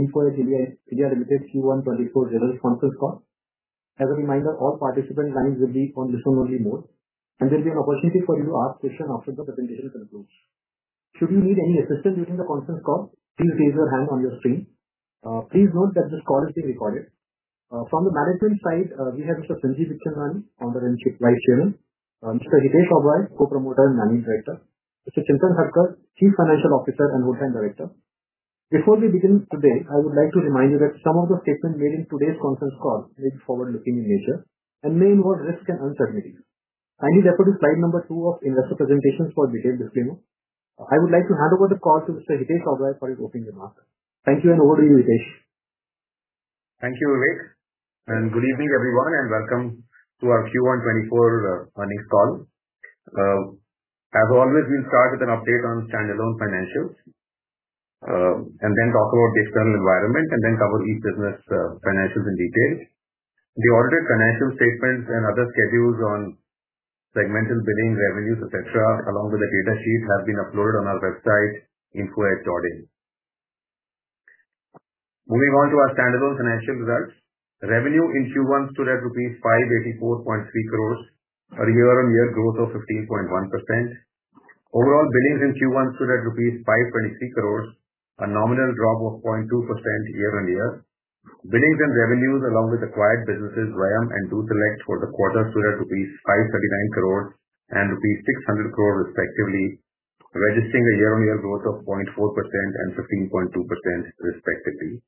Info Edge India, India related Q1 2024 results conference call. As a reminder, all participant lines will be on listen-only mode, and there'll be an opportunity for you to ask questions after the presentation concludes. Should you need any assistance during the conference call, please raise your hand on your screen. Please note that this call is being recorded. From the management side, we have Mr. Sanjeev Bikhchandani, Founder and Chief Vice Chairman, Mr. Hitesh Oberoi, Co-Promoter and Managing Director, Mr. Chintan Thakkar, Chief Financial Officer and Whole-Time Director. Before we begin today, I would like to remind you that some of the statements made in today's conference call may be forward-looking in nature and may involve risks and uncertainties. I refer to slide number two of investor presentations for detailed disclaimer. I would like to hand over the call to Mr. Hitesh Oberoi for his opening remarks. Thank you, and over to you, Hitesh. Thank you, Vivek, good evening, everyone, and welcome to our Q1 2024 earnings call. As always, we'll start with an update on standalone financials, and then talk about the external environment, and then cover each business financials in detail. The audited financial statements and other schedules on segmental billing, revenues, et cetera, along with the data sheet, have been uploaded on our website, infoedge.in. Moving on to our standalone financial results. Revenue in Q1 stood at rupees 584.3 crore, a year-on-year growth of 15.1%. Overall billings in Q1 stood at rupees 523 crore, a nominal drop of 0.2% year-on-year. Billings and revenues, along with acquired businesses, Zwayam and DoSelect for the quarter, stood at 539 crore and rupees 600 crore respectively, registering a year-on-year growth of 0.4% and 15.2% respectively.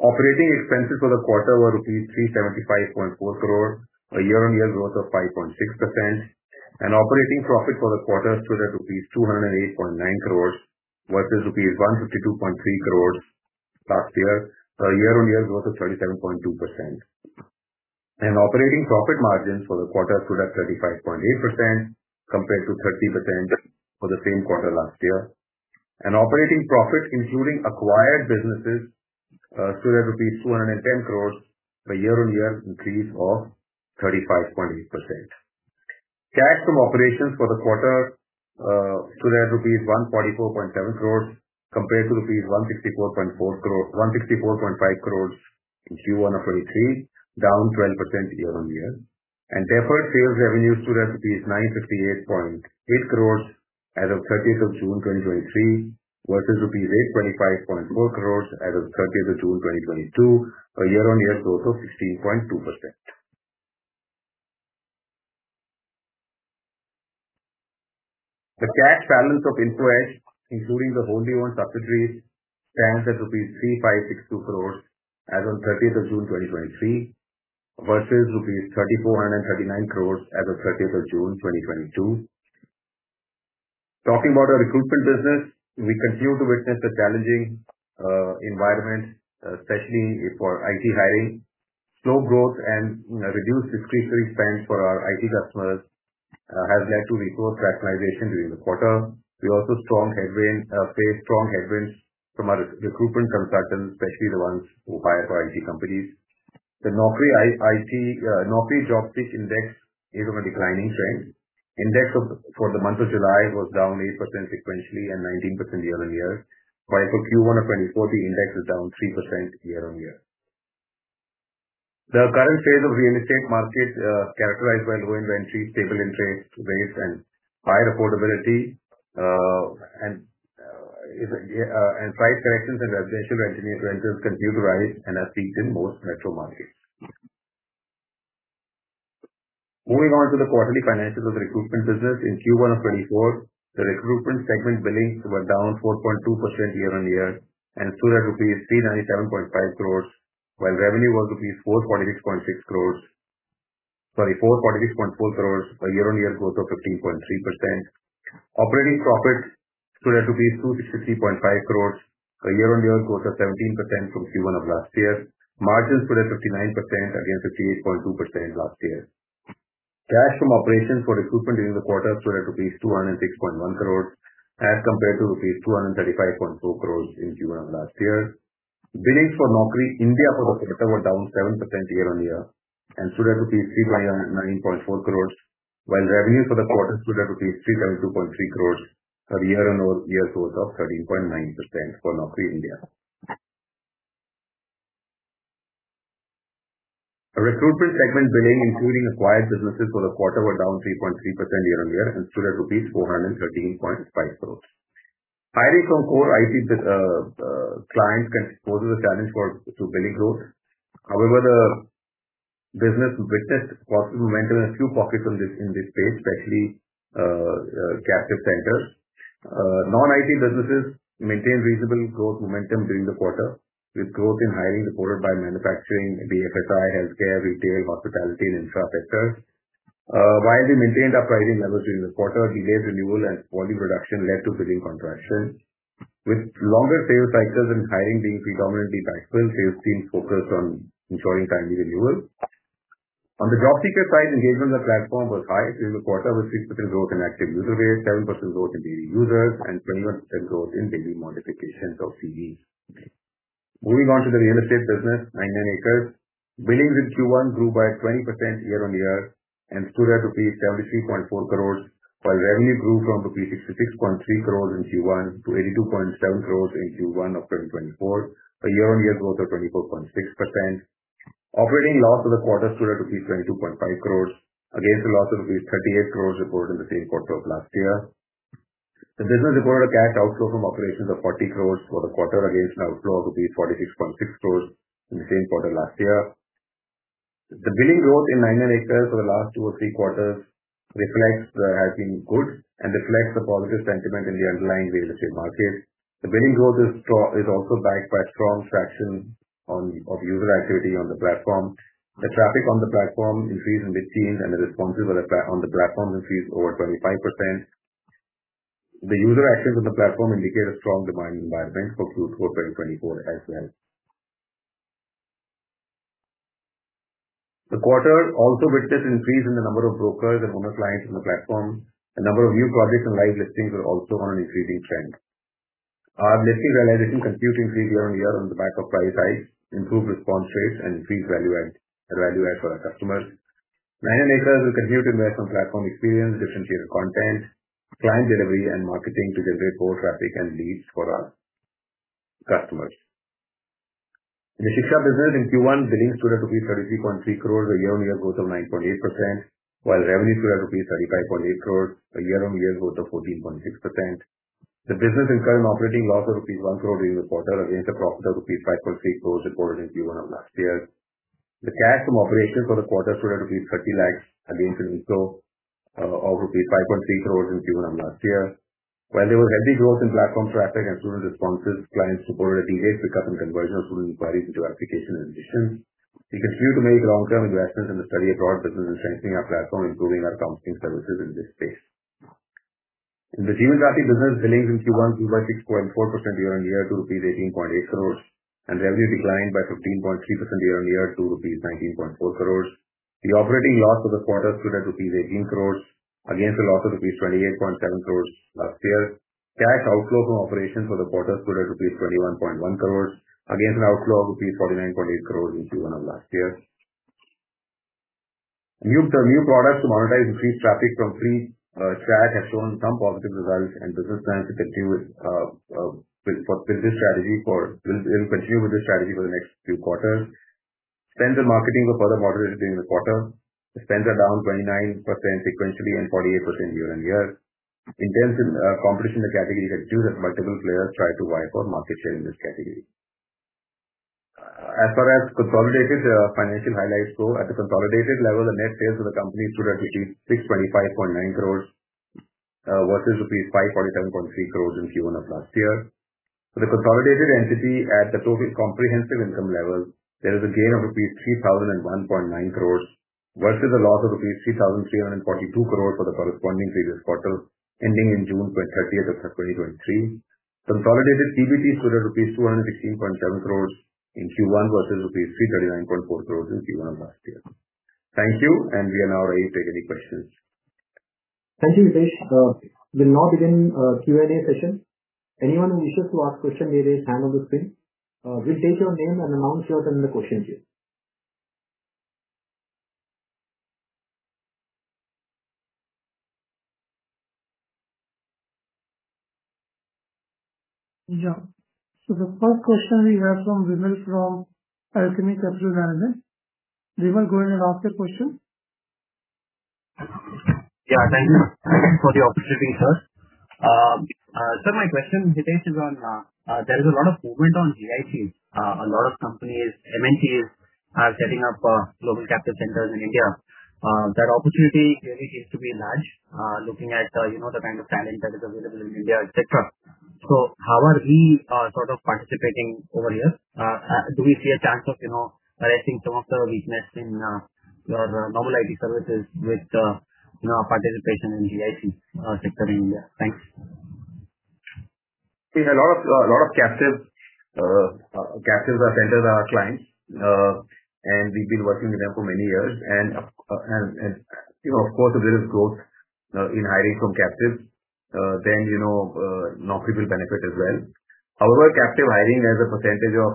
Operating expenses for the quarter were 375.4 crore, a year-on-year growth of 5.6%, operating profit for the quarter stood at rupees 208.9 crore versus rupees 152.3 crore last year, a year-on-year growth of 37.2%. Operating profit margins for the quarter stood at 35.8%, compared to 30% for the same quarter last year. Operating profit, including acquired businesses, stood at rupees 210 crore, a year-on-year increase of 35.8%. Cash from operations for the quarter stood at rupees 144.7 crore compared to rupees 164.4 crore- 164.5 crore in Q1 2023, down 12% year-on-year. Therefore, sales revenues stood at 958.8 crore as of 30th of June, 2023, versus rupees 825.4 crore as of 30th of June, 2022, a year-on-year growth of 16.2%. The cash balance of Info Edge, including the wholly-owned subsidiaries, stands at rupees 3,562 crore as of 30th of June, 2023, versus rupees 3,439 crore as of 30th of June, 2022. Talking about our recruitment business, we continue to witness a challenging environment, especially for IT hiring. Slow growth and, you know, reduced discretionary spend for our IT customers, has led to weaker prioritization during the quarter. We also strong headwind, faced strong headwinds from our re-recruitment consultants, especially the ones who hire for IT companies. The Naukri I-IT, Naukri JobSpeak Index is on a declining trend. Index for the month of July was down 8% sequentially and 19% year-on-year. While for Q1 of 2024, the index is down 3% year-on-year. The current state of real estate market, characterized by low inventory, stable interest rates, and high affordability, and price corrections in residential rentals continue to rise and are seen in most metro markets. Moving on to the quarterly financials of recruitment business. In Q1 of 2024, the recruitment segment billings were down 4.2% year-on-year, and stood at rupees 397.5 crores, while revenue was rupees 446.6 crores. Sorry, 446.4 crores, a year-on-year growth of 15.3%. Operating profit stood at INR 266.5 crores, a year-on-year growth of 17% from Q1 of last year. Margins stood at 59% against 58.2% last year. Cash from operations for recruitment during the quarter stood at rupees 206.1 crores, as compared to rupees 235.4 crores in Q1 of last year. Billings for Naukri India for the quarter were down 7% year-on-year and stood at rupees 319.4 crore, while revenue for the quarter stood at rupees 302.3 crore, a year-on-year growth of 13.9% for Naukri India. Our recruitment segment billing, including acquired businesses for the quarter, were down 3.3% year-on-year and stood at INR 413.5 crore. Hiring from core IT clients continues to pose a challenge to billing growth. However, the business witness positive momentum in a few pockets in this space, especially captive centers. Non-IT businesses maintained reasonable growth momentum during the quarter, with growth in hiring supported by manufacturing, BFSI, healthcare, retail, hospitality, and infrastructure. While we maintained our pricing levels during the quarter, delayed renewal and volume reduction led to billing contraction. With longer sales cycles and hiring being predominantly backfill, sales teams focused on ensuring timely renewal. On the job seeker side, engagement on the platform was high during the quarter, with 6% growth in active user base, 7% growth in daily users, and 20% growth in daily modifications or CVs. Moving on to the real estate business, 99acres. Billings in Q1 grew by 20% year-on-year and stood at 73.4 crore, while revenue grew from 66.3 crore in Q1 to 82.7 crore in Q1 of 2024, a year-on-year growth of 24.6%. Operating loss for the quarter stood at 22.5 crore, against a loss of 38 crore reported in the same quarter of last year. The business reported a cash outflow from operations of 40 crore for the quarter against an outflow of 46.6 crore in the same quarter last year. The billing growth in 99acres for the last two or three quarters reflects, has been good and reflects the positive sentiment in the underlying real estate market. The billing growth is also backed by strong traction on, of user activity on the platform. The traffic on the platform increased mid-teen, and the responses on the platform increased over 25%. The user actions on the platform indicate a strong demand environment for through for 2024 as well. The quarter also witnessed increase in the number of brokers and owner clients on the platform. The number of new projects and live listings are also on an increasing trend. Our listing realization continued to increase year-on-year on the back of price hikes, improved response rates, and increased value add, value add for our customers. 99acres will continue to invest on platform experience, differentiated content, client delivery, and marketing to generate more traffic and leads for our customers. In the Shiksha business in Q1, billings stood at INR 33.3 crore, a year-on-year growth of 9.8%, while revenue stood at INR 35.8 crore, a year-on-year growth of 14.6%. The business incurred an operating loss of INR 1 crore in the quarter, against a profit of INR 5.3 crore reported in Q1 of last year. The cash from operations for the quarter stood at INR 0.30 crore against an inflow of INR 5.3 crores in Q1 of last year. While there was healthy growth in platform traffic and student responses, clients reported a delayed pickup in conversion of student inquiries into applications and admissions. We continue to make long-term investments in the study abroad business and strengthening our platform, improving our counseling services in this space. In the Jeevansathi business, billings in Q1 grew by 6.4% year-on-year to 18.8 crores, and revenue declined by 15.3% year-on-year to 19.4 crores. The operating loss for the quarter stood at rupees 18 crores against a loss of rupees 28.7 crores last year. Cash outflow from operations for the quarter stood at rupees 21.1 crore, against an outflow of rupees 49.8 crore in Q1 of last year. New, the new products to monetize increased traffic from free chat has shown some positive results, business plans to continue with this strategy for the next few quarters. Spend on marketing were further moderated during the quarter. The spends are down 29% sequentially and 48% year-on-year. Intense competition in the category has continued as multiple players try to vie for market share in this category. As far as consolidated financial highlights go, at the consolidated level, the net sales for the company stood at rupees 625.9 crores versus rupees 547.3 crores in Q1 of last year. For the consolidated entity at the total comprehensive income level, there is a gain of rupees 3,001.9 crores versus a loss of rupees 3,342 crores for the corresponding previous quarter, ending in June 30, 2023. Consolidated PBT stood at rupees 216.7 crores in Q1 versus rupees 339.4 crores in Q1 of last year. Thank you, and we are now ready to take any questions. Thank you, Hitesh. We'll now begin Q&A session. Anyone who wishes to ask question may raise hand on the screen. We'll state your name and announce you in the question queue. The first question we have from Vimal from Alchemy Capital Management. Vimal, go ahead and ask your question. Yeah, thank you for the opportunity, sir. My question, Hitesh, is on there is a lot of movement on GCC. A lot of companies, MNCs, are setting up Global Capability Centers in India. That opportunity really seems to be large, looking at, you know, the kind of talent that is available in India, et cetera. So how are we sort of participating over here? Do we see a chance of, you know, erasing some of the weakness in your normal IT services with, you know, participation in GCC sector in India? Thanks. We have a lot of, lot of captive, captives or centers are our clients, and we've been working with them for many years. You know, of course, if there is growth, in hiring from captives, then, you know, Non-IT will benefit as well. However, captive hiring as a percentage of,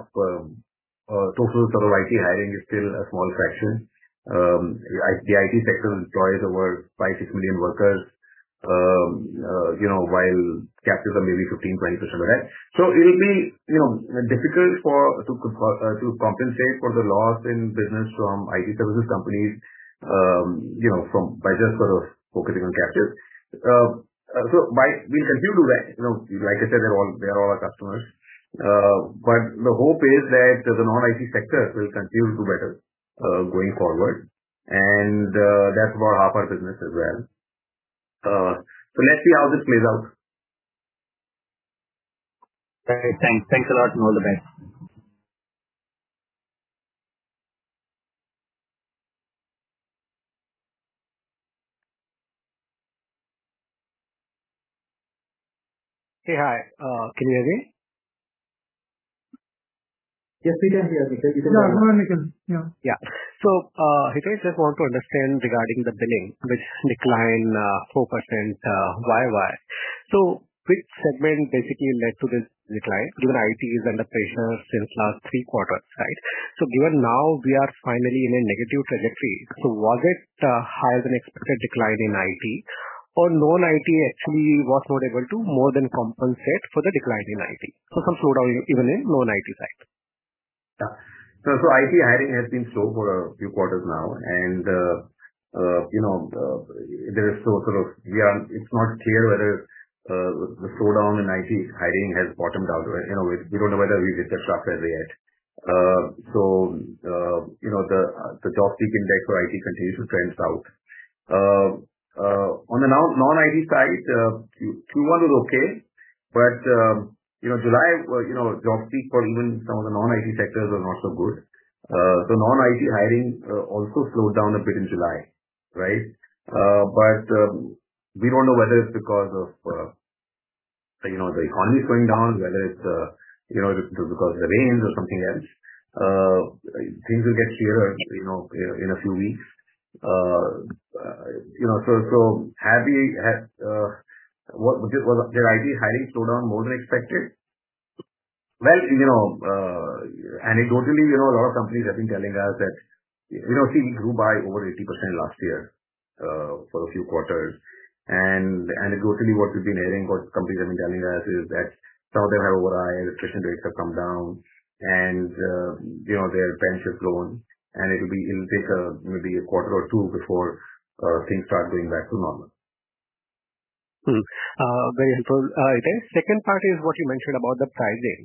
total sort of IT hiring is still a small fraction. IT, the IT sector employs over five, six million workers, you know, while captives are maybe 15%, 20% of that. So it'll be, you know, difficult for, to compensate for the loss in business from IT services companies, you know, from by just sort of focusing on captives. We continue to, you know, like I said, they're all, they are all our customers. The hope is that the non-IT sector will continue to do better, going forward, and that's about half our business as well. Let's see how this plays out. Thanks. Thanks a lot, and all the best. Hey, hi. Can you hear me? Yes, we can hear you. Yeah, go ahead, Nikhil. Yeah. Yeah. Hitesh, just want to understand regarding the billing, which declined 4%. Why, why? Which segment basically led to this decline? Even IT is under pressure since last three quarters, right? Given now we are finally in a negative trajectory, was it higher than expected decline in IT or non-IT actually was not able to more than compensate for the decline in IT, so some slowdown even in non-IT side. Yeah. IT hiring has been slow for a few quarters now, and, you know, there is no sort of-- it's not clear whether the slowdown in IT hiring has bottomed out. You know, we, we don't know whether we've hit the trough as yet. You know, the, the job seeking there for IT continues to trend south. On the non, non-IT side, Q1 was okay, but, you know, July, well, you know, job seek for even some of the non-IT sectors were not so good. Non-IT hiring also slowed down a bit in July, right? We don't know whether it's because of, you know, the economy slowing down, whether it's, you know, just because of the rains or something else. Things will get clearer, you know, in, in a few weeks. You know, did IT hiring slow down more than expected? Well, you know, anecdotally, you know, a lot of companies have been telling us that, you know, we grew by over 80% last year for a few quarters. Anecdotally, what we've been hearing, what companies have been telling us is that now they have overhired, attrition rates have come down and, you know, their bench has grown, and it'll take maybe a quarter or two before things start going back to normal. Very helpful. Second part is what you mentioned about the pricing,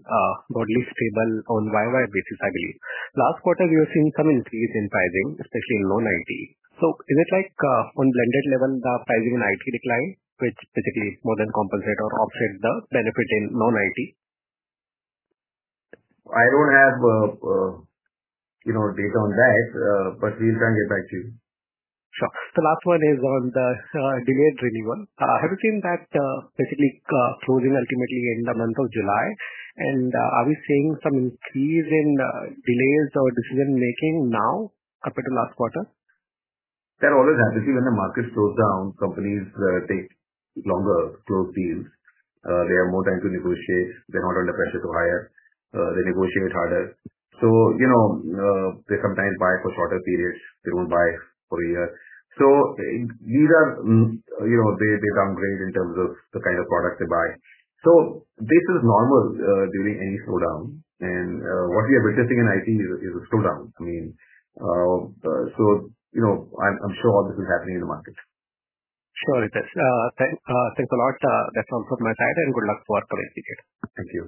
broadly stable on YY basis, I believe. Last quarter, we were seeing some increase in pricing, especially in non-IT. Is it like, on blended level, the pricing in IT decline, which basically more than compensate or offset the benefit in non-IT? I don't have, you know, data on that, but we'll run it back to you. Sure. The last one is on the delayed renewal. Have you seen that basically closing ultimately in the month of July? Are we seeing some increase in delays or decision-making now after the last quarter? That always happens. When the market slows down, companies take longer to close deals. They have more time to negotiate. They're not under pressure to hire. They negotiate harder. You know, they sometimes buy for shorter periods. They won't buy for a year. These are, you know, they, they downgrade in terms of the kind of product they buy. This is normal during any slowdown. What we are witnessing in IT is a, is a slowdown. I mean, you know, I'm, I'm sure all this is happening in the market. Sure. Thanks a lot. That's all from my side, and good luck for, for IT. Thank you.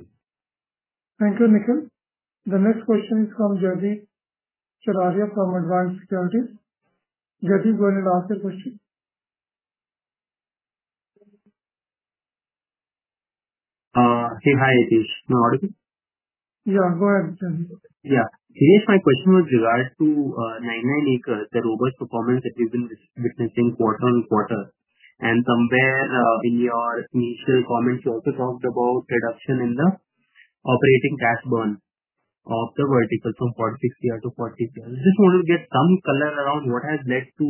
Thank you, Nikhil. The next question is from Jaggi Sharaya from Advanced Security. Jaggi, go ahead with your question. hey. Hi, Hitesh. Can you hear me? Yeah, go ahead, Jaggi. Yeah. Hitesh, my question was regards to 99acres, the robust performance that we've been witnessing quarter on quarter, and somewhere, in your initial comments, you also talked about reduction in the operating cash burn of the vertical from 46 to 43. I just want to get some color around what has led to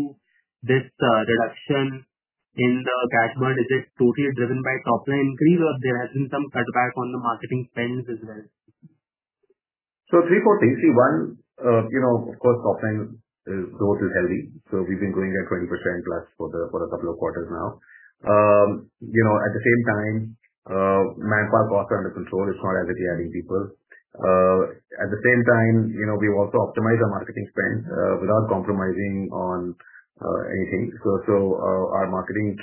this reduction in the cash burn. Is it totally driven by top line increase, or there has been some cutback on the marketing spends as well? Three, four things. One, you know, of course, top line is, growth is healthy, so we've been growing at 20% plus for the, for a couple of quarters now. You know, at the same time, manpower cost are under control. It's not like we're adding people. At the same time, you know, we've also optimized our marketing spend, without compromising on anything. Our marketing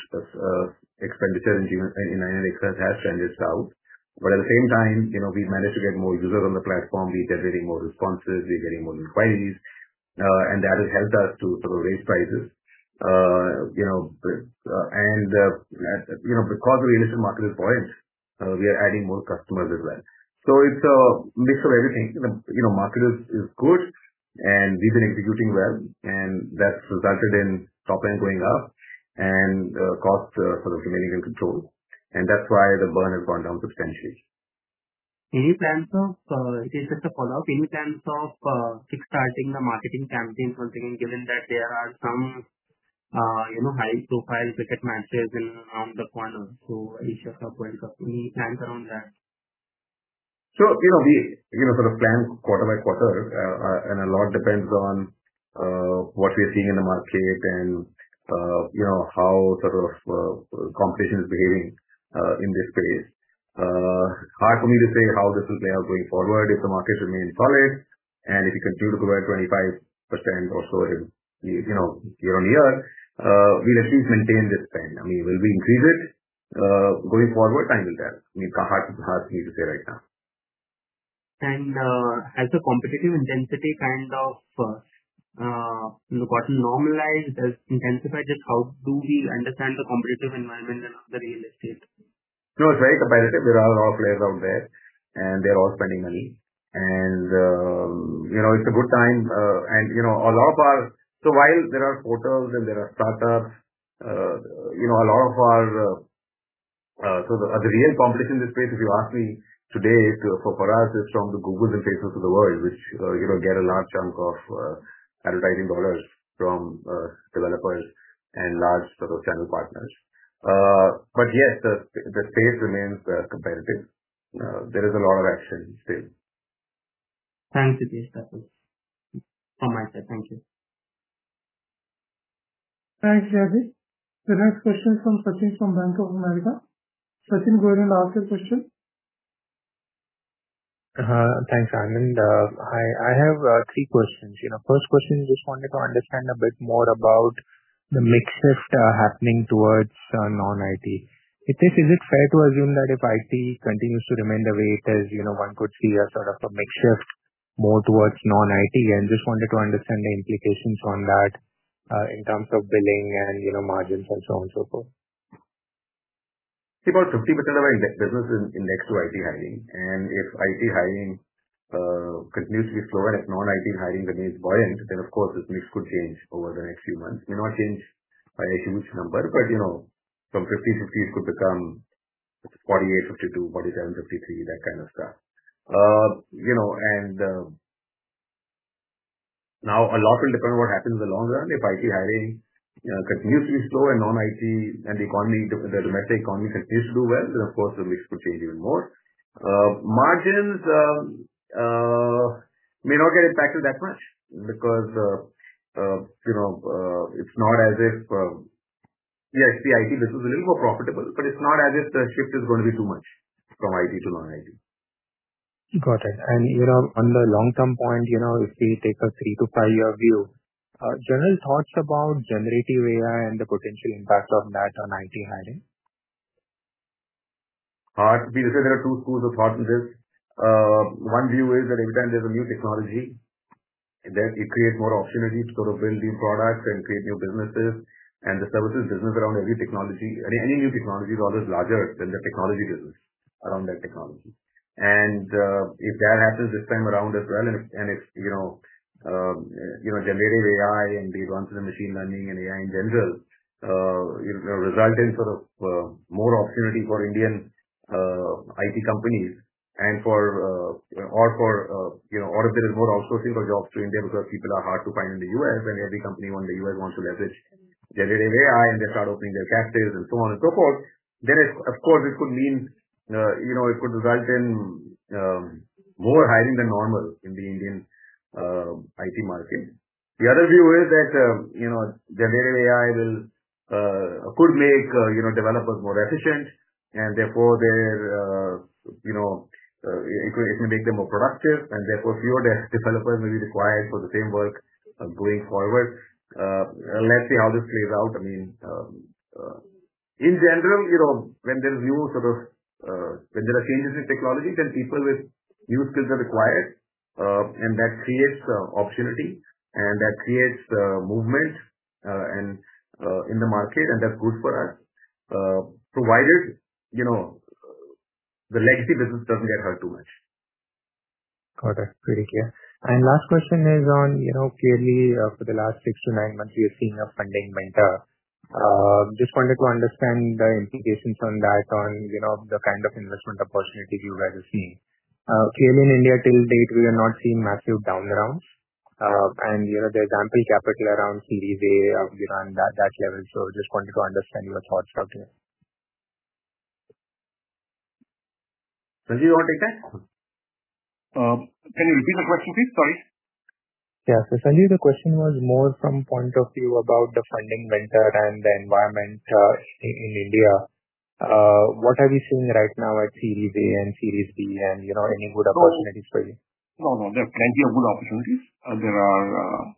expenditure in 99acres has trended south, but at the same time, you know, we've managed to get more users on the platform. We're generating more responses, we're getting more inquiries, and that has helped us to sort of raise prices. You know, and, you know, because of the real estate market is buoyant, we are adding more customers as well. It's mix of everything. You know, market is, is good, and we've been executing well, and that's resulted in top line going up and, cost, sort of remaining in control. That's why the burn has gone down substantially. Any plans of... Just a follow-up. Any plans of kickstarting the marketing campaign once again, given that there are some, you know, high-profile cricket matches in, around the corner? Any plans around that? You know, we, you know, sort of plan quarter by quarter, and a lot depends on what we are seeing in the market and, you know, how sort of competition is behaving in this space. Hard for me to say how this will play out going forward. If the market remains solid, and if we continue to grow at 25% or so in, you know, year-on-year, we'll at least maintain this spend. I mean, will we increase it going forward? Time will tell. I mean, it's hard, hard for me to say right now. Has the competitive intensity kind of, what, normalized or intensified? Just how do we understand the competitive environment in the real estate? No, it's very competitive. There are a lot of players out there, and they're all spending money. You know, a good time, and, you know, a lot of our... So while there are portals and there are startups, you know, a lot of our... The real competition in this space, if you ask me today, so for, for us, it's from the Googles and Facebooks of the world, which, you know, get a large chunk of advertising dollars from developers and large sort of channel partners. Yes, the space remains competitive. There is a lot of action in the space. Thanks, Hitesh Oberoi. All right, sir. Thank you. Thanks, Jaggi. The next question from Sachin from Bank of America. Sachin, go ahead and ask your question. Thanks, Vivek. I, I have, three questions. You know, first question, just wanted to understand a bit more about the mix shift, happening towards, non-IT. Is it, is it fair to assume that if IT continues to remain the way it is, you know, one could see a sort of a mix shift more towards non-IT, and just wanted to understand the implications on that, in terms of billing and, you know, margins and so on, so forth? See, about 50% of our business is indexed to IT hiring. If IT hiring continues to be slow and if non-IT hiring remains buoyant, then of course, this mix could change over the next few months. May not change by a huge number, but, you know, from 50/50 it could become 48/52, 47/53, that kind of stuff. You know, now a lot will depend on what happens in the long run. If IT hiring continues to be slow and non-IT and the economy, the, the domestic economy continues to do well, then of course the mix could change even more. Margins may not get impacted that much because, you know, it's not as if... The IT business is a little more profitable, but it's not as if the shift is going to be too much from IT to non-IT. Got it. you know, on the long-term point, you know, if we take a three to five-year view, general thoughts about Generative AI and the potential impact of that on IT hiring? We say there are two schools of thought in this. One view is that every time there's a new technology, then you create more opportunities to build new products and create new businesses, and the services business around every technology, new technology is always larger than the technology business around that technology. If that happens this time around as well, and if, and if, you know, you know, Generative AI and the advances in machine learning and AI in general, you know, result in sort of, more opportunity for Indian, IT companies and for, or for, you know, or if there is more outsourcing for jobs to India because people are hard to find in the U.S. and every company on the U.S. wants to leverage Generative AI, and they start opening their cashiers and so on and so forth. It's, of course, it could mean, you know, it could result in, more hiring than normal in the Indian, IT market. The other view is that, you know, Generative AI will, could make, you know, developers more efficient, and therefore there, you know, it, it may make them more productive, and therefore fewer desk developers may be required for the same work, going forward. Let's see how this plays out. I mean, in general, you know, when there's new sort of... When there are changes in technology, then people with new skills are required, and that creates opportunity and that creates movements, and in the market, and that's good for us. Provided, you know, the legacy business doesn't get hurt too much. Got it. Pretty clear. Last question is on, you know, clearly, for the last six to nine months, we are seeing a funding winter. Just wanted to understand the implications on that, on, you know, the kind of investment opportunities you guys are seeing. Clearly in India to date, we are not seeing massive down rounds, and, you know, there's ample capital around Series A, you know, on that, that level. Just wanted to understand your thoughts out there? Sanjeev, you wanna take that? Can you repeat the question, please? Sorry. Yeah. Sanjeev, the question was more from point of view about the funding winter and the environment, in, in India. What are we seeing right now at Series A and Series B and, you know, any good opportunities for you? No, no, there are plenty of good opportunities. There are.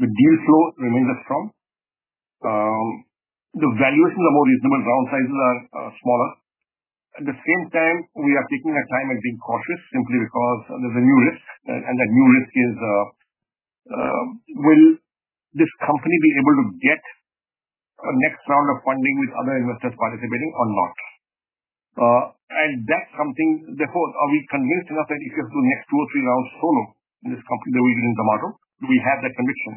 The deal flow remains strong. The valuations are more reasonable, round sizes are, are smaller. At the same time, we are taking our time and being cautious, simply because there's a new risk, and, and that new risk is, will this company be able to get a next round of funding with other investors participating or not? That's something... Therefore, are we convinced enough that if you have to do next two or three rounds solo in this company, then we will win Zomato. Do we have that conviction?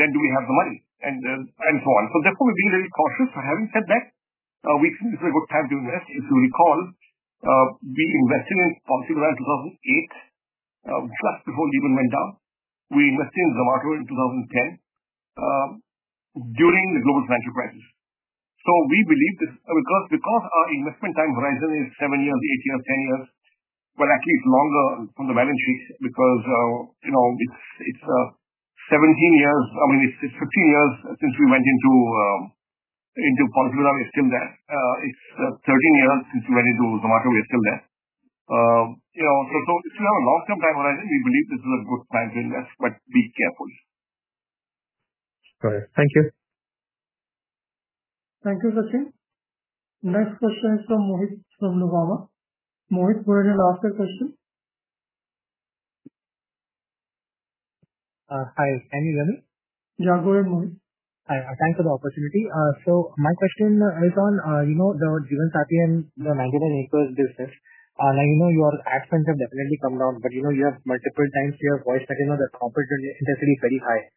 Then, do we have the money? So on. Therefore, we're being very cautious. Having said that, we think this is a good time to invest. If you recall, we invested in Policybazaar in 2008, just before it even went down. We invested in Zomato in 2010, during the global financial crisis. We believe this because, because our investment time horizon is seven years, eight years, ten years, but actually it's longer from the balance sheet, because, you know, it's, it's 17 years, I mean, it's, it's 15 years since we went into Policybazaar, we're still there. It's 13 years since we went into Zomato, we're still there. You know, so, so if you have a long-term time horizon, we believe this is a good time to invest, but be careful. Got it. Thank you. Thank you, Sachin. Next question is from Mohit, from Nuvama. Mohit, go ahead and ask your question. Hi. Thank you, Vivek. Yeah, go ahead, Mohit. Hi, thanks for the opportunity. My question is on, you know, the Jeevansathi and the 99acres business. Now, you know, your ad spends have definitely come down, but, you know, you have multiple times your voice spending on the competitor density very high.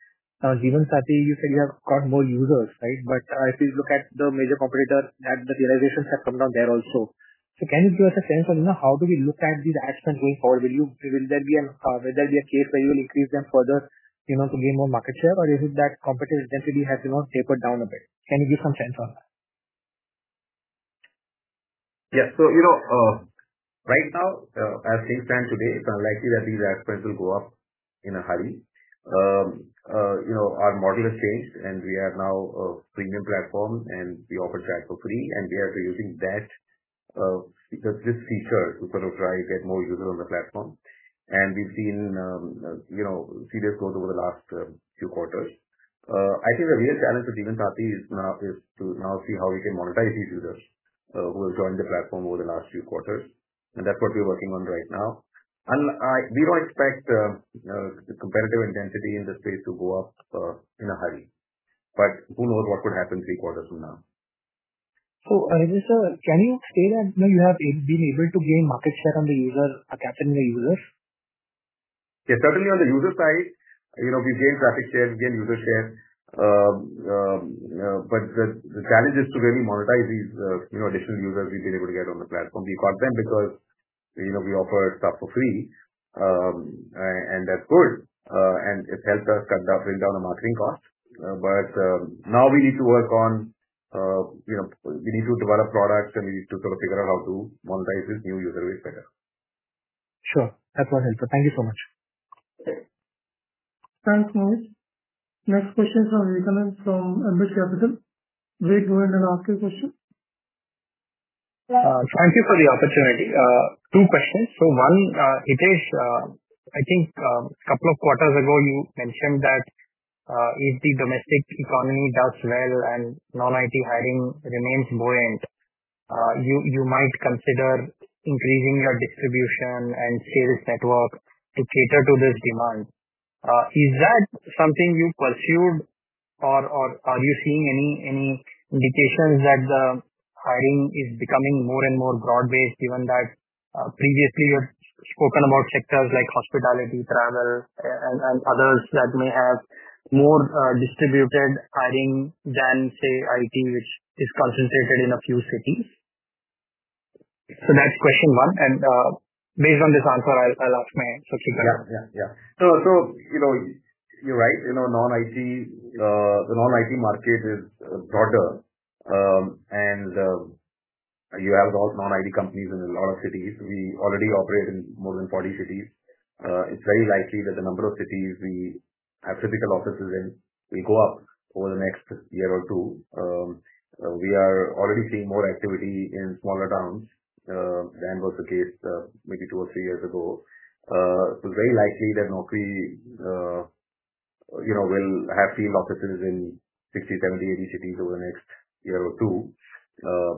Jeevansathi, you said you have got more users, right? If you look at the major competitors, the realizations have come down there also. Can you give us a sense on, you know, how do you look at these ad spends going forward? Will you, will there be an, whether be a case where you will increase them further, you know, to gain more market share? Is it that competitive intensity has, you know, tapered down a bit? Can you give some sense on that? Yeah. You know, right now, as things stand today, it's unlikely that these ad spends will go up in a hurry. You know, our model has changed, and we are now a premium platform, and we offer that for free, and we are using that, because this feature to sort of try to get more users on the platform. We've seen, you know, serious growth over the last few quarters. I think the real challenge that even is now, is to now see how we can monetize these users, who have joined the platform over the last few quarters, and that's what we're working on right now. I, we don't expect the competitive intensity in this space to go up in a hurry, but who knows what could happen three quarters from now? Hitesh, sir, can you say that now you have been able to gain market share and the users are capturing the users? Yeah. Certainly on the user side, you know, we gain traffic share, we gain user share. The, the challenge is to really monetize these, you know, additional users we've been able to get on the platform. We got them because, you know, we offer stuff for free, and that's good, and it helps us cut down, bring down the marketing cost. Now we need to work on, you know, we need to develop products, and we need to sort of figure out how to monetize this new user base better. Sure. That's more helpful. Thank you so much. Okay. Thanks, Mohit. Next question from Vivek, from Ambit Capital. Please go ahead and ask your question. Thank you for the opportunity. Two questions. One, Hitesh, I think, couple of quarters ago, you mentioned that, if the domestic economy does well and non-IT hiring remains buoyant, you, you might consider increasing your distribution and sales network to cater to this demand. Is that something you pursued or, or are you seeing any, any indications that the hiring is becoming more and more broad-based, given that, previously you had spoken about sectors like hospitality, travel, and others that may have more, distributed hiring than, say, IT, which is concentrated in a few cities? That's question one, and, based on this answer, I'll, I'll ask my second one. Yeah. Yeah, yeah. You know, you're right. You know, non-IT, the non-IT market is broader, and you have a lot of non-IT companies in a lot of cities. We already operate in more than 40 cities. It's very likely that the number of cities we have typical offices in will go up over the next year or two. We are already seeing more activity in smaller towns, than was the case, maybe two or three years ago. So very likely that Naukri, you know, will have field offices in 60, 70, 80 cities over the next year or two.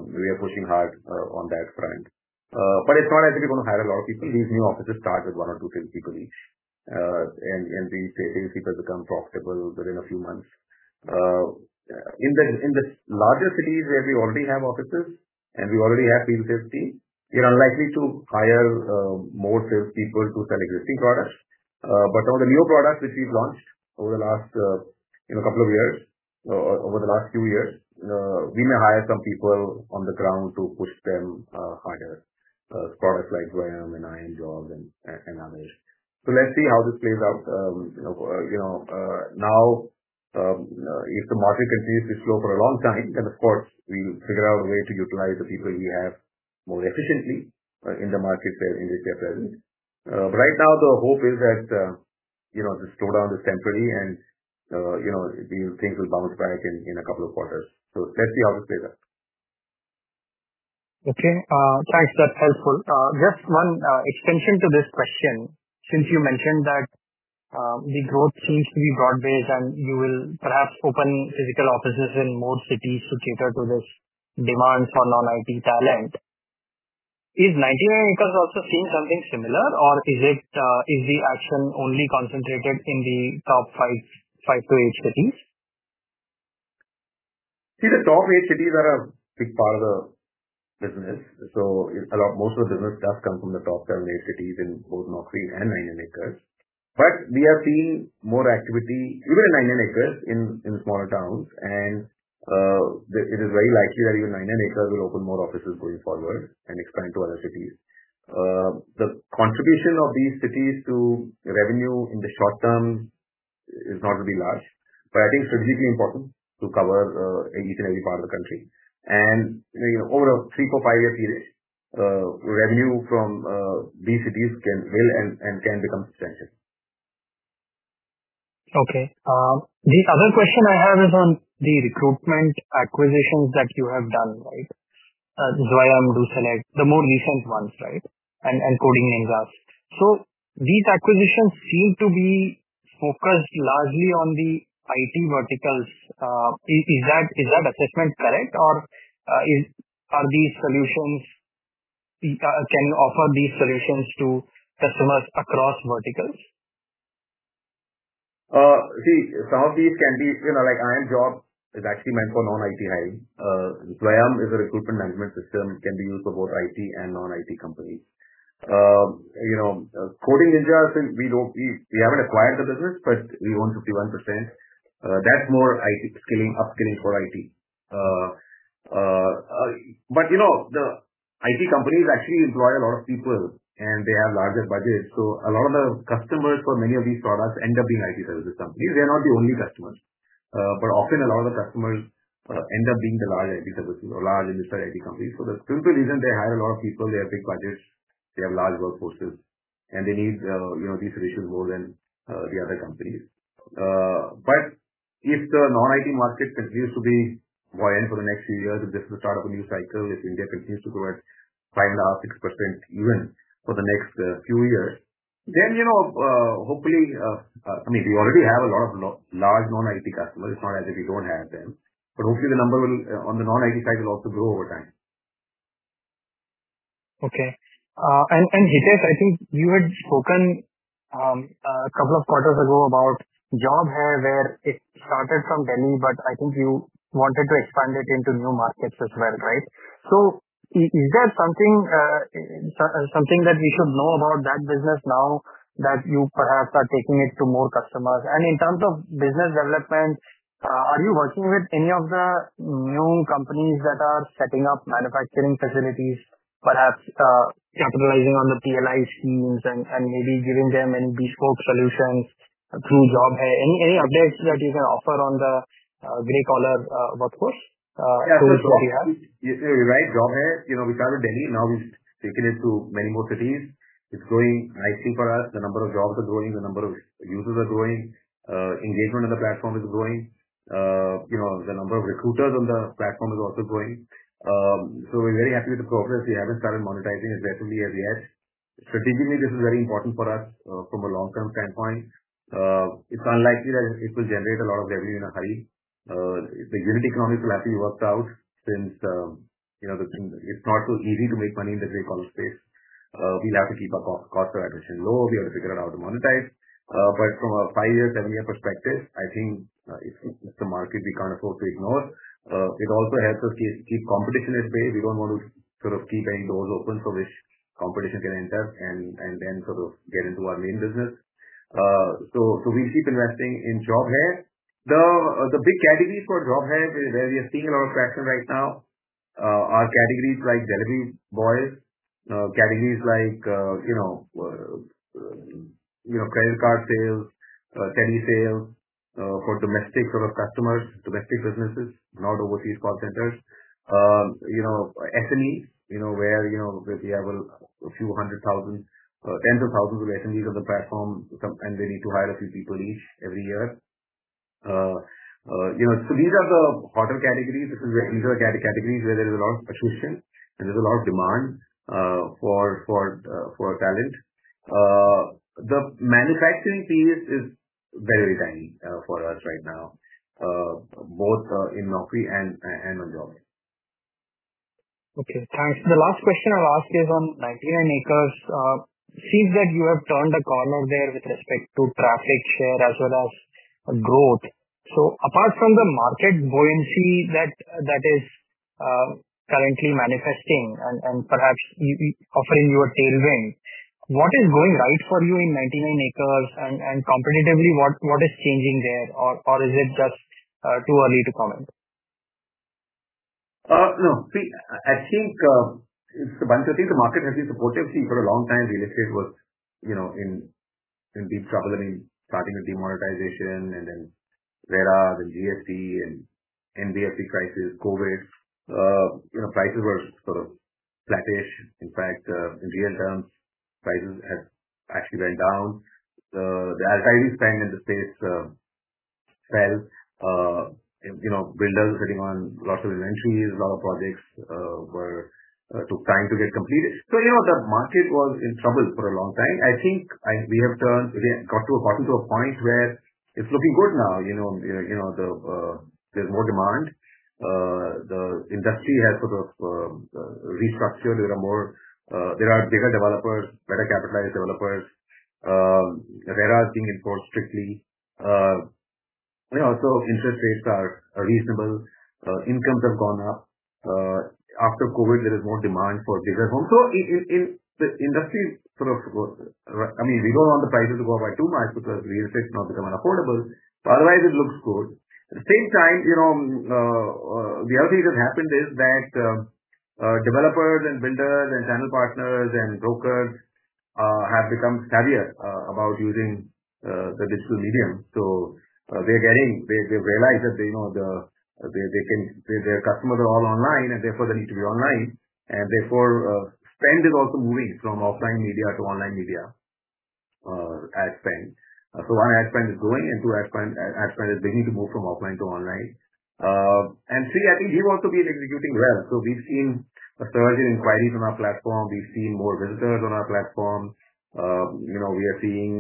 We are pushing hard on that front. It's not actually gonna hire a lot of people. These new offices start with one or two sales people each, and these sales people become profitable within a few months. In the, in the larger cities, where we already have offices and we already have sales safety, we are unlikely to hire more sales people to sell existing products. But on the new products which we've launched over the last, you know, couple of years, over the last few years, we may hire some people on the ground to push them harder. Products like Zwayam and iimjobs and others. Let's see how this plays out. You know, you know, now, if the market continues to be slow for a long time, then of course, we'll figure out a way to utilize the people we have more efficiently, in the markets where we are present. Right now, the hope is that, you know, the slowdown is temporary and, you know, these things will bounce back in, in a couple of quarters. Let's see how this plays out. Okay. Thanks. That's helpful. Just one extension to this question. Since you mentioned that the growth seems to be broad-based, and you will perhaps open physical offices in more cities to cater to this demands for non-IT talent, is 99acres also seeing something similar, or is it, is the action only concentrated in the top five, five to eight cities? See, the top eight cities are a big part of the business, so most of the business does come from the top seven, eight cities in both Naukri and 99acres. We are seeing more activity, even in 99acres, in smaller towns, and it is very likely that even 99acres will open more offices going forward and expand to other cities. The contribution of these cities to revenue in the short term is not really large, but I think strategically important to cover each and every part of the country. You know, over a tree, four, five-year period, revenue from these cities will and can become significant. Okay. The other question I have is on the recruitment acquisitions that you have done, right? Zwayam, DoSelect, the more recent ones, right? Coding Ninjas. These acquisitions seem to be focused largely on the IT verticals. Is, is that, is that assessment correct, or, are these solutions can offer these solutions to customers across verticals? See, some of these can be... You know, like, iimjobs is actually meant for non-IT hiring. Zwayam is a recruitment management system, can be used for both IT and non-IT companies. You know, Coding Ninjas, we don't- we, we haven't acquired the business, but we own 51%. That's more IT skilling, upskilling for IT. But, you know, the IT companies actually employ a lot of people, and they have larger budgets, so a lot of the customers for many of these products end up being IT services companies. They are not the only customers.... But often a lot of the customers end up being the large IT services or large industry IT companies, for the simple reason they hire a lot of people, they have big budgets, they have large workforces, and they need, you know, these solutions more than the other companies. But if the non-IT market continues to be buoyant for the next few years, if this is the start of a new cycle, if India continues to grow at 5.5%, 6% even, for the next few years, then, you know, I mean, we already have a lot of large non-IT customers. It's not as if we don't have them, but hopefully the number will on the non-IT side will also grow over time. Okay. Hitesh, I think you had spoken a couple of quarters ago about Job Hai, where it started from Delhi, but I think you wanted to expand it into new markets as well, right? Is there something, something that we should know about that business now, that you perhaps are taking it to more customers? In terms of business development, are you working with any of the new companies that are setting up manufacturing facilities, perhaps, capitalizing on the PLI schemes and, and maybe giving them any bespoke solutions through Job Hai? Any, any updates that you can offer on the gray collar, workforce, for Job Hai? Yeah. You're right. Job Hai, you know, we started Delhi, now we've taken it to many more cities. It's growing nicely for us. The number of jobs are growing, the number of users are growing, engagement on the platform is growing. You know, the number of recruiters on the platform is also growing. We're very happy with the progress. We haven't started monetizing aggressively as yet. Strategically, this is very important for us, from a long-term standpoint. It's unlikely that it will generate a lot of revenue in a hurry. The unit economics will have to be worked out since, you know, the, it's not so easy to make money in the gray-collar space. We'll have to keep our co- cost per acquisition low. We have to figure out how to monetize. From a five-year, seven-year perspective, I think, it's, it's a market we can't afford to ignore. It also helps us keep, keep competition at bay. We don't want to sort of keep any doors open for which competition can enter and, and then sort of get into our main business. We keep investing in Job Hai. The big category for Job Hai, where we are seeing a lot of traction right now, are categories like delivery boys, categories like, you know, credit card sales, telly sales, for domestic sort of customers, domestic businesses, not overseas call centers. You know, S MEs, you know, where, you know, we have a few hundred thousand, tens of thousands of SMEs on the platform, and they need to hire a few people each, every year. you know, these are the hotter categories. These are categories where there is a lot of attrition, and there's a lot of demand for talent. The manufacturing piece is very tiny for us right now, both in Naukri and in JobHai. Okay, thanks. The last question I'll ask is on 99acres. It seems that you have turned a corner there with respect to traffic share as well as growth. Apart from the market buoyancy that is currently manifesting and perhaps offering you a tailwind, what is going right for you in 99acres? Competitively, what is changing there? Or is it just too early to comment? No. See, I think, it's... 1, I think the market has been supportive. See, for a long time real estate was, you know, in, in deep trouble, I mean, starting with Demonetization and then RERA, then GST, and NBFC crisis, COVID. You know, prices were sort of flattish. In fact, in real terms, prices had actually went down. The appetite spend in the space, fell. You, you know, builders sitting on lots of inventories, a lot of projects, were, took time to get completed. You know, the market was in trouble for a long time. I think I, we have turned, we have got to, gotten to a point where it's looking good now, you know, you know, the, there's more demand. The industry has sort of, restructured. There are more, there are bigger developers, better capitalized developers. RERA are being enforced strictly. You know, so interest rates are reasonable. Incomes have gone up. After COVID, there is more demand for bigger homes. In the industry, sort of, I mean, we don't want the prices to go up by too much because real estate cannot become unaffordable, but otherwise it looks good. At the same time, you know, the other thing that happened is that developers and builders and channel partners and brokers have become savvier about using the digital medium. They're getting... They, they've realized that, you know, the, they, they can, their, their customers are all online, and therefore they need to be online, and therefore, spend is also moving from offline media to online media, ad spend. One, ad spend is growing, and two, ad spend, ad spend is beginning to move from offline to online. Three, I think we've also been executing well. We've seen a surge in inquiries on our platform. We've seen more visitors on our platform. You know, we are seeing.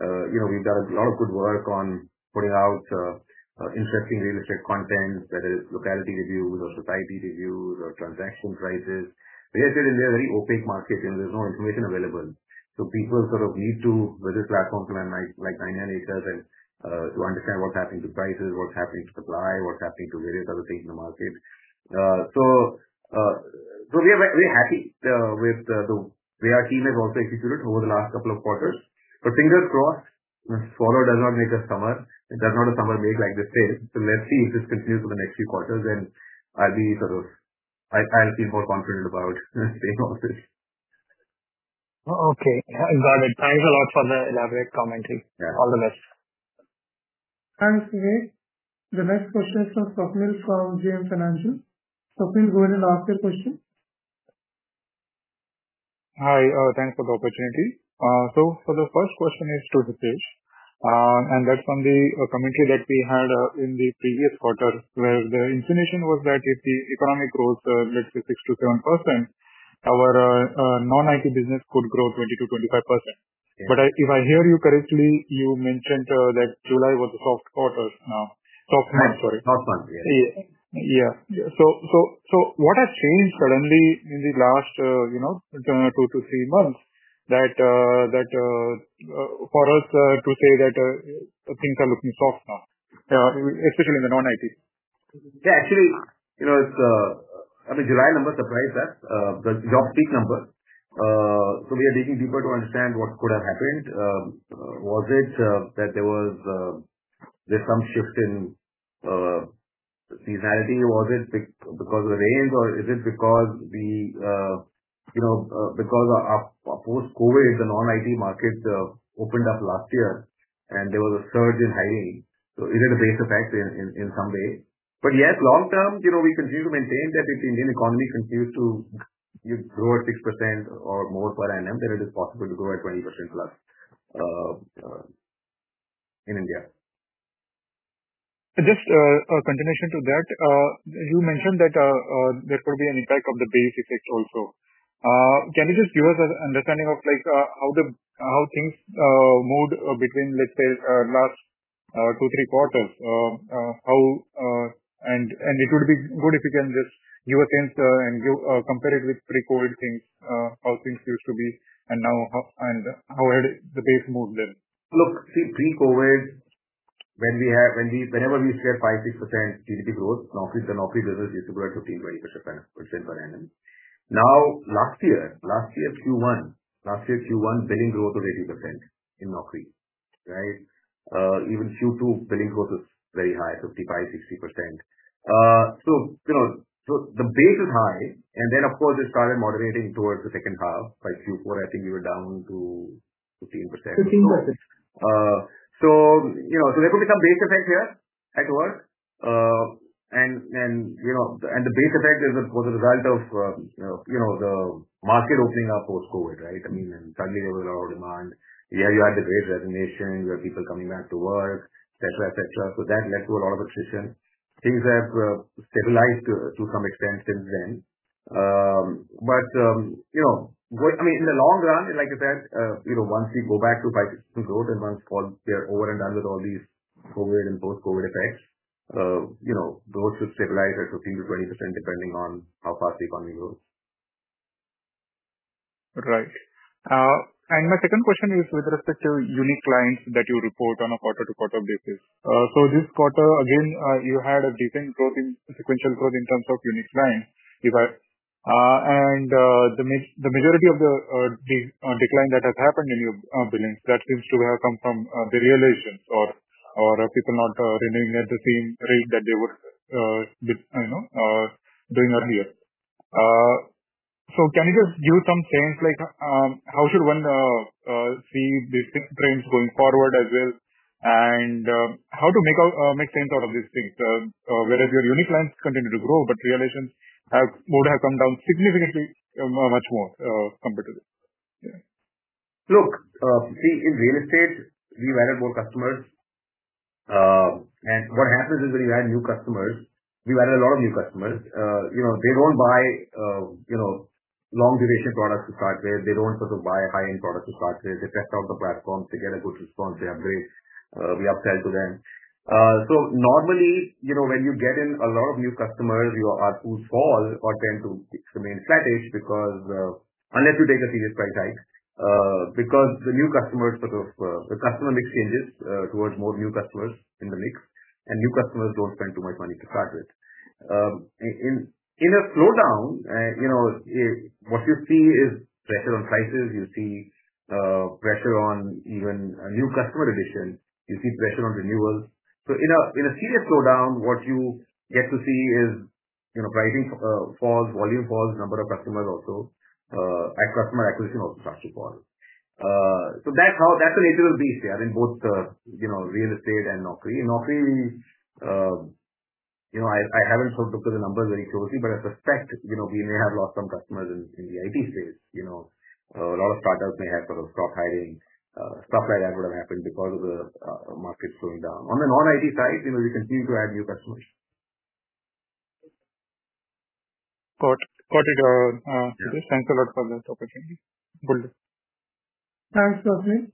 You know, we've done a lot of good work on putting out, interesting real estate content, that is locality reviews or society reviews or transaction prices. Real estate is a very opaque market, and there's no information available. people sort of need to visit platforms 99acres and to understand what's happening to prices, what's happening to supply, what's happening to various other things in the market. we are very happy with the way our team has also executed over the last two quarters. fingers crossed, summer does not make a summer, does not a summer make, like they say. let's see if this continues for the next few quarters, then I'll be sort of I'll feel more confident about staying optimistic. Okay, got it. Thanks a lot for the elaborate commentary. All the best. Thanks, Vivek. The next question is from Swapneel, from JM Financial. Swapneel, go ahead and ask your question. Hi. Thanks for the opportunity. For the first question is to Hitesh, and that's on the commentary that we had in the previous quarter, where the intonation was that if the economic growth, let's say 6%-7%, our non-IT business could grow 20%-25%. Yeah. if I hear you correctly, you mentioned, that July was a soft quarter, soft month, sorry. Soft month, yeah. Yeah. Yeah, what has changed suddenly in the last, you know, two to three months, that, that, for us, to say that, things are looking soft now, especially in the non-IT? Yeah, actually, you know, it's... I mean, July numbers surprised us, the job peak numbers. We are digging deeper to understand what could have happened. Was it that there was there's some shift in seasonality? Was it because of the rains, or is it because we, you know, because of our, our post-COVID, the non-IT markets opened up last year, and there was a surge in hiring, so is it a base effect in, in, in some way? Yes, long term, you know, we continue to maintain that if the Indian economy continues to grow at 6% or more per annum, then it is possible to grow at 20%+ in India. Just, a continuation to that, you mentioned that, there could be an impact of the base effect also. Can you just give us an understanding of, like, how the, how things, moved, between, let's say, last, two, three quarters? How... it would be good if you can just give a sense, and give, compare it with pre-COVID things, how things used to be and now, how, and how, the base moved then. Look, see, pre-COVID, whenever we see 5%-6% GDP growth, Naukri, the Naukri business used to grow at 15%-20% per annum. Last year, last year Q1, last year Q1, billing growth was 80% in Naukri, right? Even Q2, billing growth was very high, 55%-60%. You know, so the base is high, and then, of course, it started moderating towards the second half. By Q4, I think we were down to 15%. 15%. You know, so there could be some base effect here at work. And, you know, and the base effect is a, was a result of, you know, you know, the market opening up post-COVID, right? I mean, and suddenly there was a lot of demand. Yeah, you had the great resignation, you had people coming back to work, et cetera, et cetera, so that led to a lot of attrition. Things have stabilized to, to some extent since then. You know, good-- I mean, in the long run, like I said, you know, once we go back to 5% growth and once we are over and done with all these COVID and post-COVID effects, you know, growth should stabilize at 15%-20%, depending on how fast the economy grows. Right. My second question is with respect to unique clients that you report on a quarter-to-quarter basis. This quarter, again, you had a decent growth in, sequential growth in terms of unique clients. The majority of the decline that has happened in your business, that seems to have come from the real estate or, or people not renewing at the same rate that they were, you know, during the year. Can you just give some sense, like, how should one see these trends going forward as well, and how to make out, make sense out of these things? whereas your unique clients continue to grow, but real estate have, would have come down significantly, much more, compared to this. Yeah. Look, see, in real estate, we added more customers, what happens is, when you add new customers, we added a lot of new customers, you know, they don't buy, you know, long-duration products to start with. They don't sort of buy high-end products to start with. They test out the platforms. They get a good response. They upgrade. We upsell to them. Normally, you know, when you get in a lot of new customers, your pools fall or tend to remain flattish because, unless you take a serious price hike, because the new customers sort of, the customer mix changes, towards more new customers in the mix, and new customers don't spend too much money to start with. In a slowdown, you know, what you see is pressure on prices, you see pressure on even a new customer addition, you see pressure on renewals. In a, in a serious slowdown, what you get to see is, you know, pricing falls, volume falls, the number of customers also, and customer acquisition also starts to fall. That's how, that's the nature of the beast, yeah, in both the, you know, real estate and Naukri. In Naukri, we, you know, I, I haven't sort of looked at the numbers very closely, but I suspect, you know, we may have lost some customers in, in the IT space. You know, a lot of startups may have sort of stopped hiring. Stuff like that would have happened because of the market slowing down. On the non-IT side, you know, we continue to add new customers. Got it, got it, Hitesh. Thanks a lot for the opportunity. Good day. Thanks, Swapneel.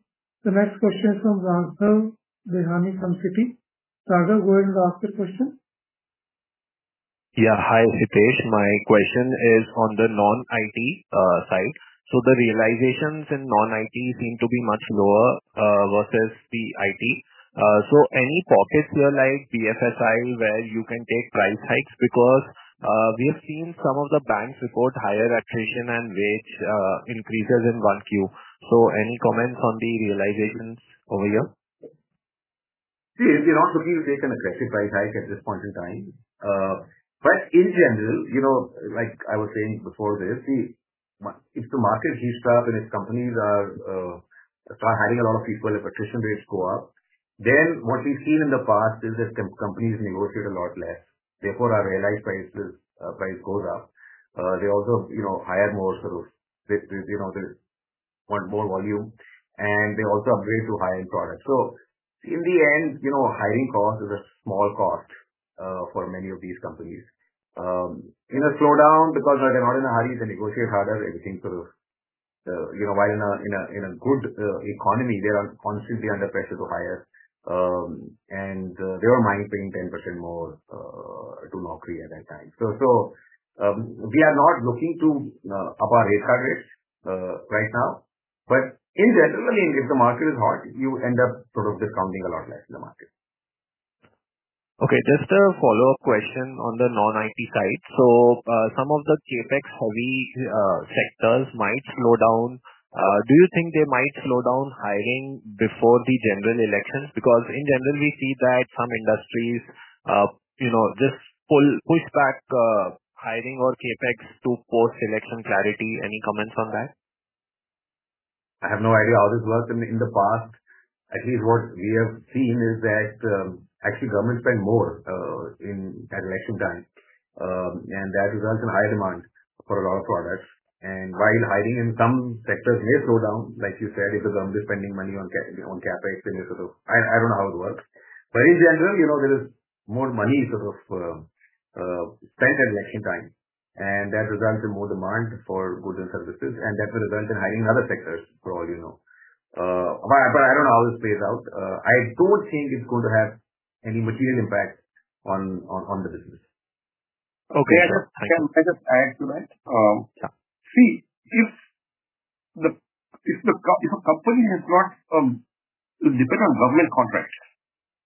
The next question is from Raghav, from Citi. Raghav, go ahead and ask your question. Yeah. Hi, Hitesh. My question is on the non-IT side. The realizations in non-IT seem to be much lower versus the IT. Any pockets where, like BFSI, where you can take price hikes? Because we have seen some of the banks report higher attrition and wage increases in 1Q. Any comments on the realizations over here?... We are not looking to take an aggressive price hike at this point in time. In general, you know, like I was saying before this, if the market heats up and if companies are, start hiring a lot of people, if attrition rates go up, then what we've seen in the past is that companies negotiate a lot less, therefore, our realized prices, price goes up. They also, you know, hire more sort of, you know, they want more volume, and they also upgrade to higher end products. In the end, you know, hiring cost is a small cost, for many of these companies. In a slowdown, because they're not in a hurry, they negotiate harder, everything sort of, you know, while in a, in a, in a good economy, they are constantly under pressure to hire, and they don't mind paying 10% more to Naukri at that time. We are not looking to up our rate cards right now, but in general, if the market is hot, you end up sort of discounting a lot less in the market. Okay. Just a follow-up question on the non-IT side. Some of the CapEx heavy sectors might slow down. Do you think they might slow down hiring before the general elections? Because in general, we see that some industries, you know, just pull- push back hiring or CapEx to post-election clarity. Any comments on that? I have no idea how this worked in, in the past. At least what we have seen is that, actually, government spend more in at election time, and that results in higher demand for a lot of products. While hiring in some sectors may slow down, like you said, because I'm just spending money on CapEx, on CapEx, and so I, I don't know how it works. In general, you know, there is more money sort of spent at election time, and that results in more demand for goods and services, and that will result in hiring in other sectors, for all you know. I don't know how this plays out. I don't think it's going to have any material impact on, on, on the business. Okay. Can I just add to that? Yeah. See, if the, if the co- if a company has got dependent on government contracts,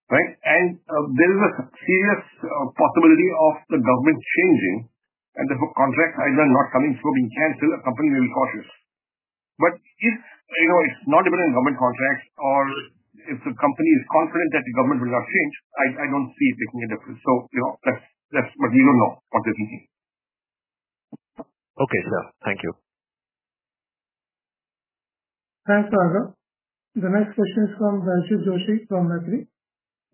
right? There is a serious possibility of the government changing, and therefore contract highs are not coming through, being canceled, a company will be cautious. If, you know, it's not dependent on government contracts, or if the company is confident that the government will not change, I, I don't see it making a difference. You know, that's, that's what we don't know, obviously. Okay, sir. Thank you. Thanks, Raghav. The next question is from Rajiv Joshi from Aditya.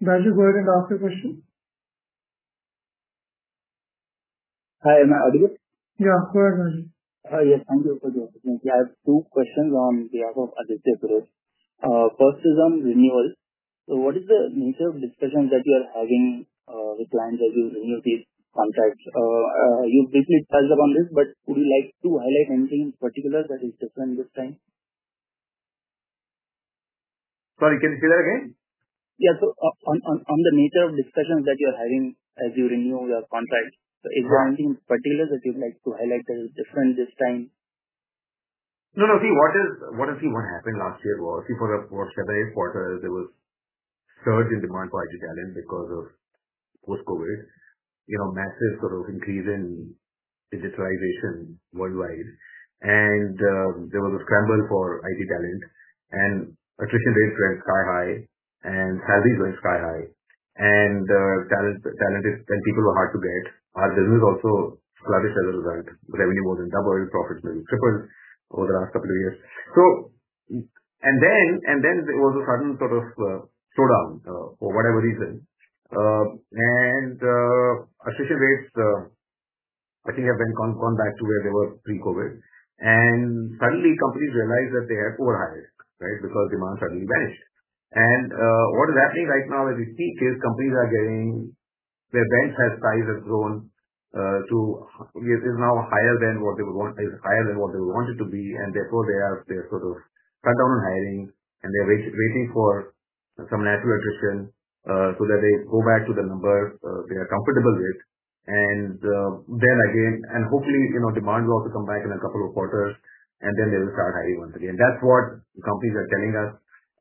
Rajiv, go ahead and ask your question. Hi, am I audible? Yeah. Go ahead, Rajiv. Yes. Thank you for doing this. I have two questions on behalf of Aditya Group. First is on renewals. What is the nature of discussions that you're having, with clients as you renew these contracts? You briefly touched upon this, but would you like to highlight anything in particular that is different this time? Sorry, can you say that again? Yeah. On the nature of discussions that you're having as you renew your contracts, so is there anything particular that you'd like to highlight that is different this time? No, no. See, what happened last year was, see, for the quarter-quarter, there was surge in demand for IT talent because of post-COVID, you know, massive sort of increase in digitalization worldwide. There was a scramble for IT talent, and attrition rates went sky high and salaries went sky high. Talent, talented tech people were hard to get. Our business also flourished as a result. Revenue more than doubled, profits maybe tripled over the last couple of years. Then there was a sudden sort of slowdown for whatever reason. Attrition rates, I think, have been gone, gone back to where they were pre-COVID. Suddenly, companies realized that they had overhired, right? Because demand suddenly vanished. What is happening right now, as we speak, is companies are getting... Their bench size has grown to is now higher than what they want, is higher than what they want it to be, and therefore, they're sort of cut down on hiring, and they're waiting for some natural attrition so that they go back to the numbers they are comfortable with. Then again. Hopefully, you know, demand will also come back in a couple of quarters, and then they will start hiring once again. That's what companies are telling us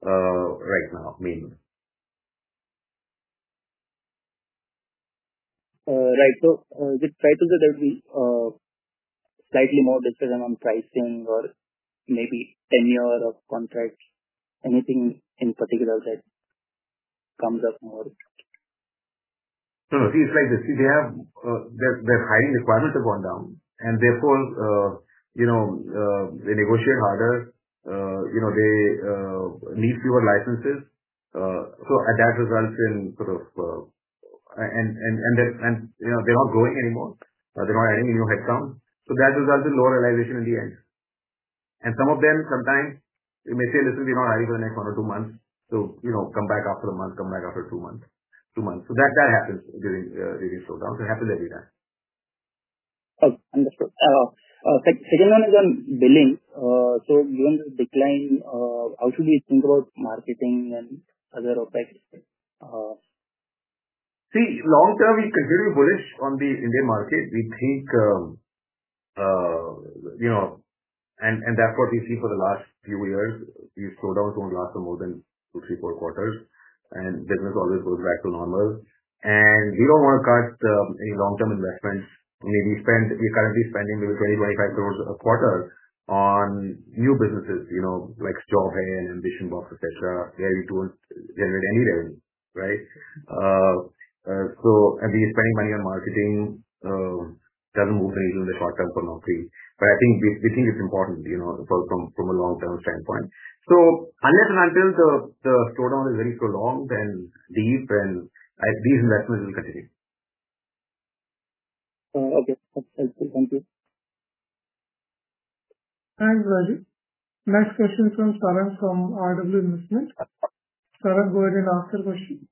right now, mainly. Right. With cycles, there'll be slightly more discipline on pricing or maybe tenure of contracts. Anything in particular that comes up more? No, it's like this. See, they have, their, their hiring requirements have gone down. Therefore, you know, they negotiate harder, you know, they need fewer licenses. That results in sort of... You know, they're not growing anymore, they're not adding any new headcount. That results in lower realization in the end. Some of them, sometimes they may say, "Listen, we're not hiring for the next one or two months, so, you know, come back after a month, come back after two months, two months." That, that happens during, during slowdown. It happens every time. Okay. Understood. Second one is on billing. Given the decline, how should we think about marketing and other OpEx? Long term, we continue to be bullish on the Indian market. We think, you know, and that's what we see for the last few years. These slowdowns only last for more than two, three, four quarters, and business always goes back to normal. We don't want to cut any long-term investments. We, we spend- we're currently spending maybe 20-25 crore a quarter on new businesses, you know, like Job Hai and AmbitionBox, et cetera, where we don't generate any revenue, right? We are spending money on marketing, doesn't move the needle in the short term for Naukri, but I think, we think it's important, you know, from a long-term standpoint. Unless and until the, the slowdown is very prolonged and deep, then these investments will continue. Okay. That's helpful. Thank you. Thanks, Rajiv. Next question from Sarang, from RW Investments. Sarang, go ahead and ask your question.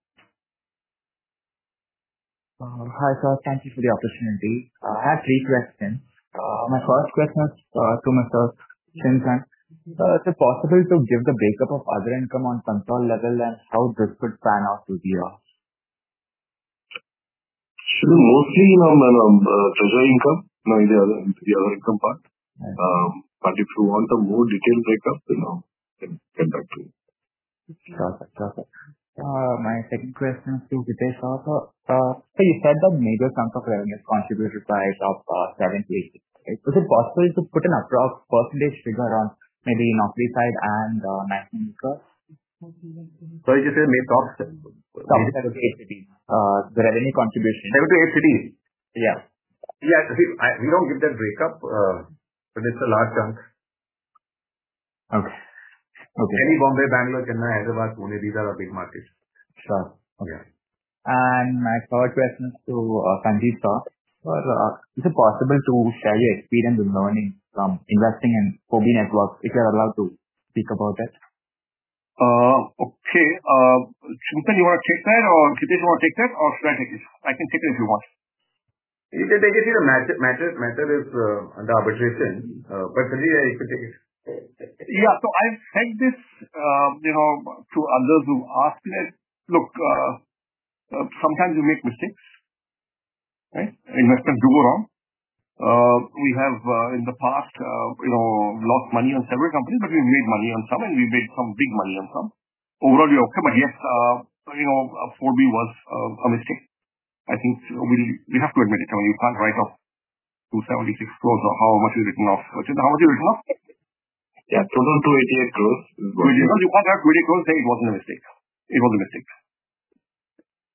Hi, sir. Thank you for the opportunity. I have three questions. My first question is to Mr. Sanjeev. Is it possible to give the breakup of other income on console level, and how this would pan out through the year? Sure. Mostly, you know, treasury income, maybe the other, the other income part. Yeah. If you want a more detailed breakup, you know, I can get back to you. Sure, sure, sure. My second question is to Hitesh sir. You said the major chunk of revenue is contributed by top 7 to 8. Is it possible to put an approx % figure on maybe Naukri side and [MaxMucur]? Sorry, you said major tops? Top, the revenue contribution. Revenue to A cities. Yeah. Yeah, we, we don't give that breakup, but it's a large chunk. Okay. Okay. Delhi, Bombay, Bangalore, Chennai, Hyderabad, Pune, these are our big markets. Sure. Okay. My third question is to, Sanjeev sir. Is it possible to share your experience with learning from investing in 4B Networks, if you're allowed to speak about it? Okay. Sarang, you want to take that, or Hitesh you want to take that, or Sanjeev? I can take it if you want. You can take it. Matter, matter, matter is under arbitration, but Sanjeev, you could take it. Yeah. I've said this, you know, to others who asked it. Look, sometimes you make mistakes, right? Investors do wrong. We have, in the past, you know, lost money on several companies, but we've made money on some, and we made some big money on some. Overall, we're okay. Yes, you know, 4 billion was a mistake. I think we, we have to admit it, and we can't write off 276 crore or how much is written off. Actually, how much is written off? Yeah, 2,288 crore. We don't want to act really cool and say it wasn't a mistake. It was a mistake.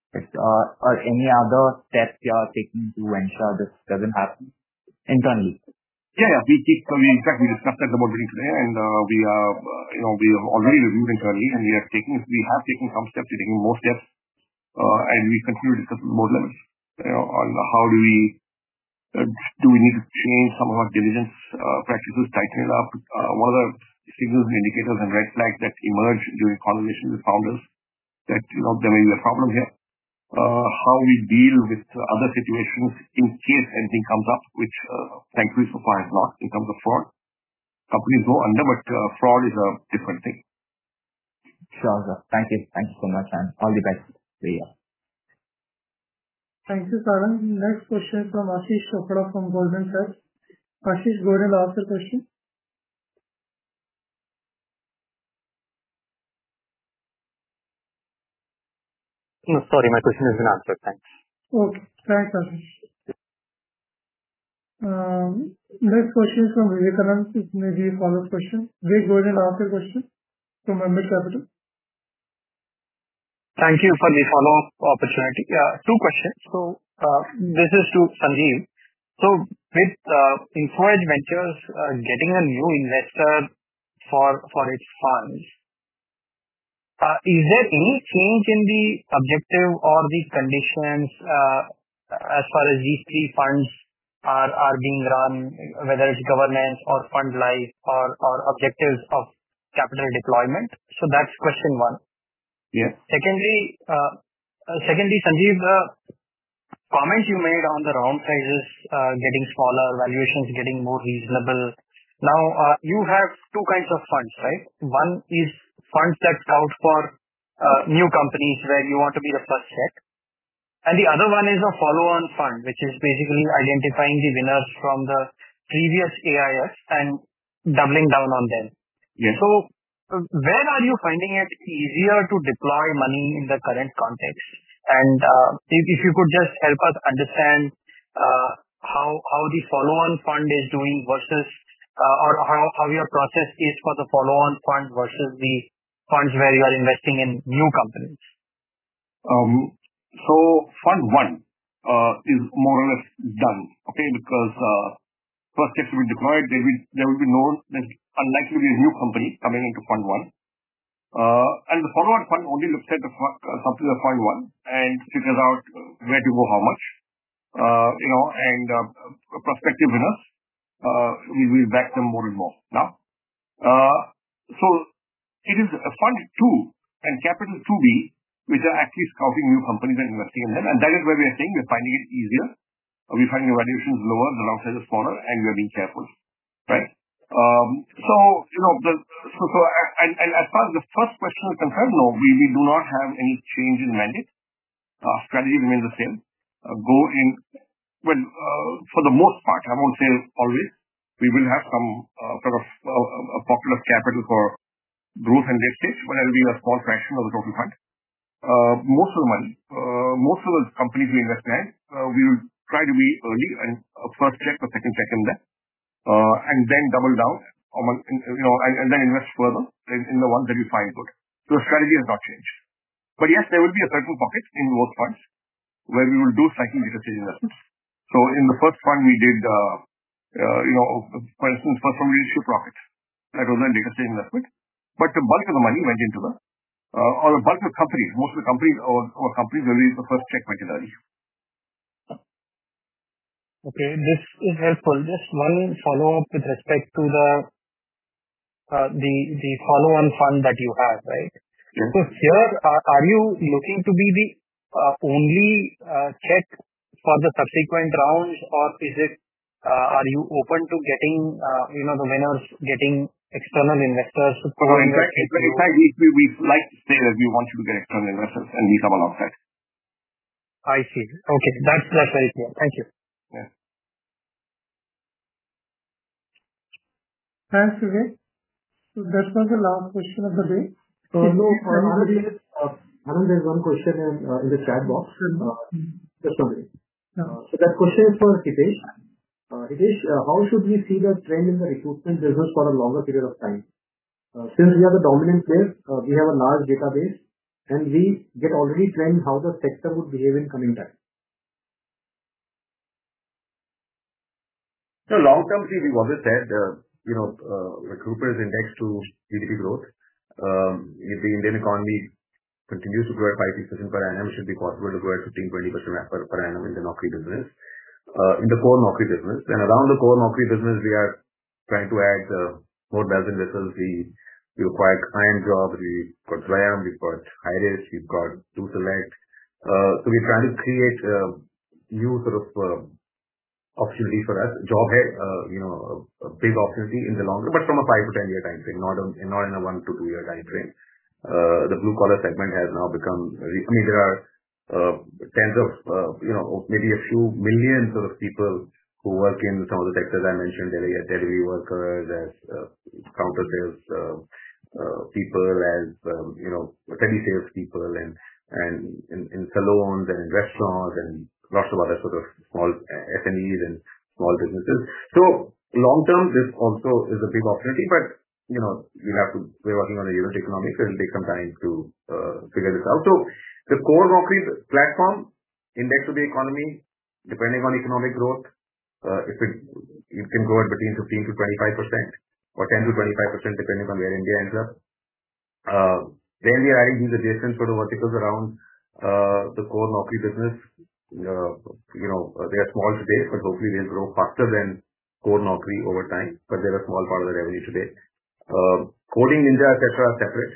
Right. Are any other steps you are taking to ensure this doesn't happen internally? Yeah, yeah. In fact, we discussed that about briefly. We are, you know, we have already reviewed internally, and we are taking. We have taken some steps. We're taking more steps. We continue to discuss more than, you know, on how do we, do we need to change some of our diligence practices, tighten it up? What are signals, indicators, and red flags that emerge during conversations with founders that, you know, there may be a problem here? How we deal with other situations in case anything comes up, which, thankfully so far has not, in terms of fraud. Companies go under. Fraud is a different thing. Sure, sir. Thank you. Thank you so much. All the best to you. Thank you, Sarang. Next question from Ashish Chopra from Goldman Sachs. Ashish, go ahead and ask the question. No, sorry. My question has been answered. Thank you. Okay. Thanks, Ashish. next question from Vivek, it may be a follow-up question. Vivek, go ahead and ask your question, from Ambit Capital. Thank you for the follow-up opportunity. Yeah, two questions. This is to Sanjeev. With Info Edge Ventures getting a new investor for its funds, is there any change in the objective or the conditions as far as these three funds are being run, whether it's governance or fund life or objectives of capital deployment? That's question one. Yeah. Secondly, Sanjeev, the comment you made on the round sizes, getting smaller, valuations getting more reasonable. Now, you have two kinds of funds, right? One is funds set out for new companies where you want to be the first set, and the other one is a follow-on fund, which is basically identifying the winners from the previous AIF and doubling down on them. Yeah. Where are you finding it easier to deploy money in the current context? If, if you could just help us understand, how, how the follow-on fund is doing versus, or how, how your process is for the follow-on fund versus the funds where you are investing in new companies. Fund one is more or less done, okay? Because first checks will be deployed. There will, there will be no, there's unlikely to be a new company coming into fund one. The follow-on fund only looks at the companies of fund one and figures out where to go how much, you know, and prospective winners, we, we back them more and more now. It is fund two and capital two B, which are actually scouting new companies and investing in them, and that is where we are saying we're finding it easier, or we're finding the valuations lower, the round size is smaller, and we are being careful, right? you know, the, and as far as the first question is concerned, though, we, we do not have any change in mandate. Our strategy remains the same. Well, for the most part, I won't say always, we will have some sort of popular capital for growth and late stage, but that will be a small fraction of the total fund. Most of the money, most of those companies we invest in, we will try to be early and first check or second check in them, then double down on, you know, and then invest further in, in the ones that we find good. The strategy has not changed. Yes, there will be a certain pocket in both funds where we will do slightly different investments. In the first fund, we did, you know, for instance, first from regional profit, that was an investment. The bulk of the money went into the, or the bulk of the companies, most of the companies or our companies, were the first check we did. Okay, this is helpful. Just one follow-up with respect to the, the, the follow-on fund that you have, right? Yeah. Here, are, are you looking to be the only check for the subsequent rounds, or is it, are you open to getting, you know, the winners, getting external investors to come in? In fact, we, we, we like to say that we want to get external investors and be some of that. I see. Okay, that's, that's very clear. Thank you. Yeah. Thanks, Vivek. That's now the last question of the day. No, there's one question in the chat box. Just one minute. Uh. That question is for Hitesh. Hitesh, how should we see the trend in the recruitment business for a longer period of time? Since we are the dominant player, we have a large database, and we get already trend how the sector would behave in coming time. Long term, we, we've always said, you know, recruiter is indexed to GDP growth. If the Indian economy continues to grow at 5%, 6% per annum, it should be possible to grow at 15%, 20% per annum in the Naukri business. In the core Naukri business. Around the core Naukri business, we are trying to add more dozen vessels. We, we acquired iimjobs, we've got Zwayam, we've got Iris, we've got DoSelect. So we're trying to create new sort of opportunity for us. Job Hai is, you know, a big opportunity in the long run, but from a 5-10-year time frame, not a, not in a one-two-year time frame. The blue-collar segment has now become recent. I mean, there are tens of, you know, maybe a few millions of people who work in some of the sectors I mentioned earlier, delivery workers, as counter sales people, as, you know, tele salespeople and, and in, in salons and in restaurants, and lots of other sort of small SMEs and small businesses. Long term, this also is a big opportunity, but, you know, we have to... We're working on the unit economics, and it will take some time to figure this out. The core Naukri platform indexed to the economy, depending on economic growth, it could, it can grow at between 15%-25% or 10%-25%, depending on where India ends up. We are adding the adjacent sort of verticals around the core Naukri business. you know, they are small today, but hopefully they'll grow faster than core Naukri over time, but they're a small part of the revenue today. Coding Ninjas, et cetera, are separate,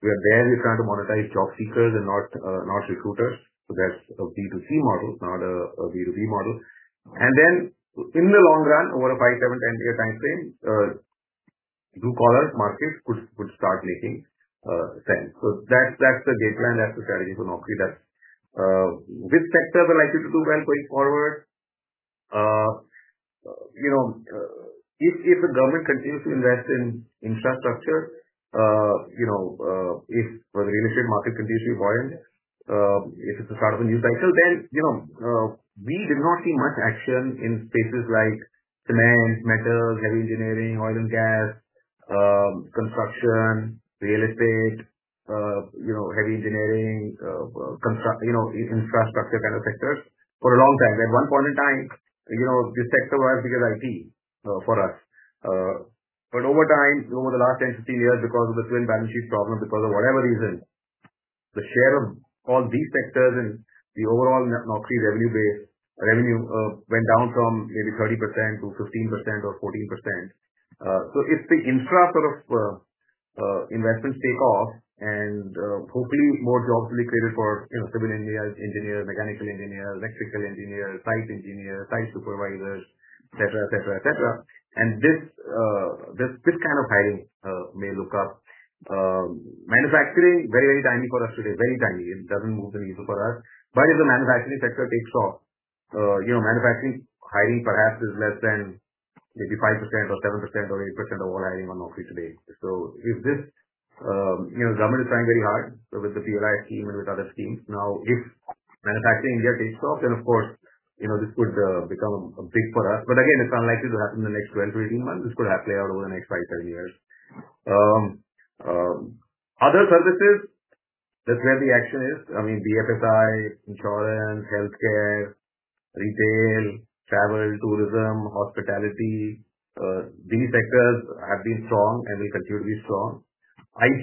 where there we're trying to monetize job seekers and not, not recruiters. That's a B2C model, not a, a B2B model. In the long run, over a 5, 7, 10-year time frame, blue collars markets could, could start making sense. That's, that's the game plan, that's the strategy for Naukri. Which sectors are likely to do well going forward? you know, if, if the government continues to invest in infrastructure, you know, if, well, the real estate market continues to be buoyant, if it's the start of a new cycle, then, you know, we did not see much action in spaces like cement, metals, heavy engineering, oil and gas, construction, real estate, you know, heavy engineering, you know, infrastructure type of sectors for a long time. At one point in time, you know, this sector was bigger than IT for us. But over time, over the last 10, 15 years, because of the twin balance sheet problem, because of whatever reason, the share of all these sectors and the overall Naukri revenue base, revenue, went down from maybe 30% to 15% or 14%. If the infra sort of investments take off and hopefully more jobs will be created for, you know, civil engineers, mechanical engineers, electrical engineers, site engineers, site supervisors, et cetera, et cetera, et cetera, and this, this kind of hiring may look up. Manufacturing, very, very tiny for us today. Very tiny. It doesn't move the needle for us. If the manufacturing sector takes off, you know, manufacturing hiring perhaps is less than maybe 5% or 7% or 8% of all hiring on Naukri today. If this, you know, government is trying very hard with the PLI scheme and with other schemes. If manufacturing India takes off, then of course, you know, this could become big for us. Again, it's unlikely to happen in the next 12-18 months. This could play out over the next five, 10 years. Other services, that's where the action is. I mean, BFSI, insurance, healthcare, retail, travel, tourism, hospitality, these sectors have been strong and will continue to be strong. IT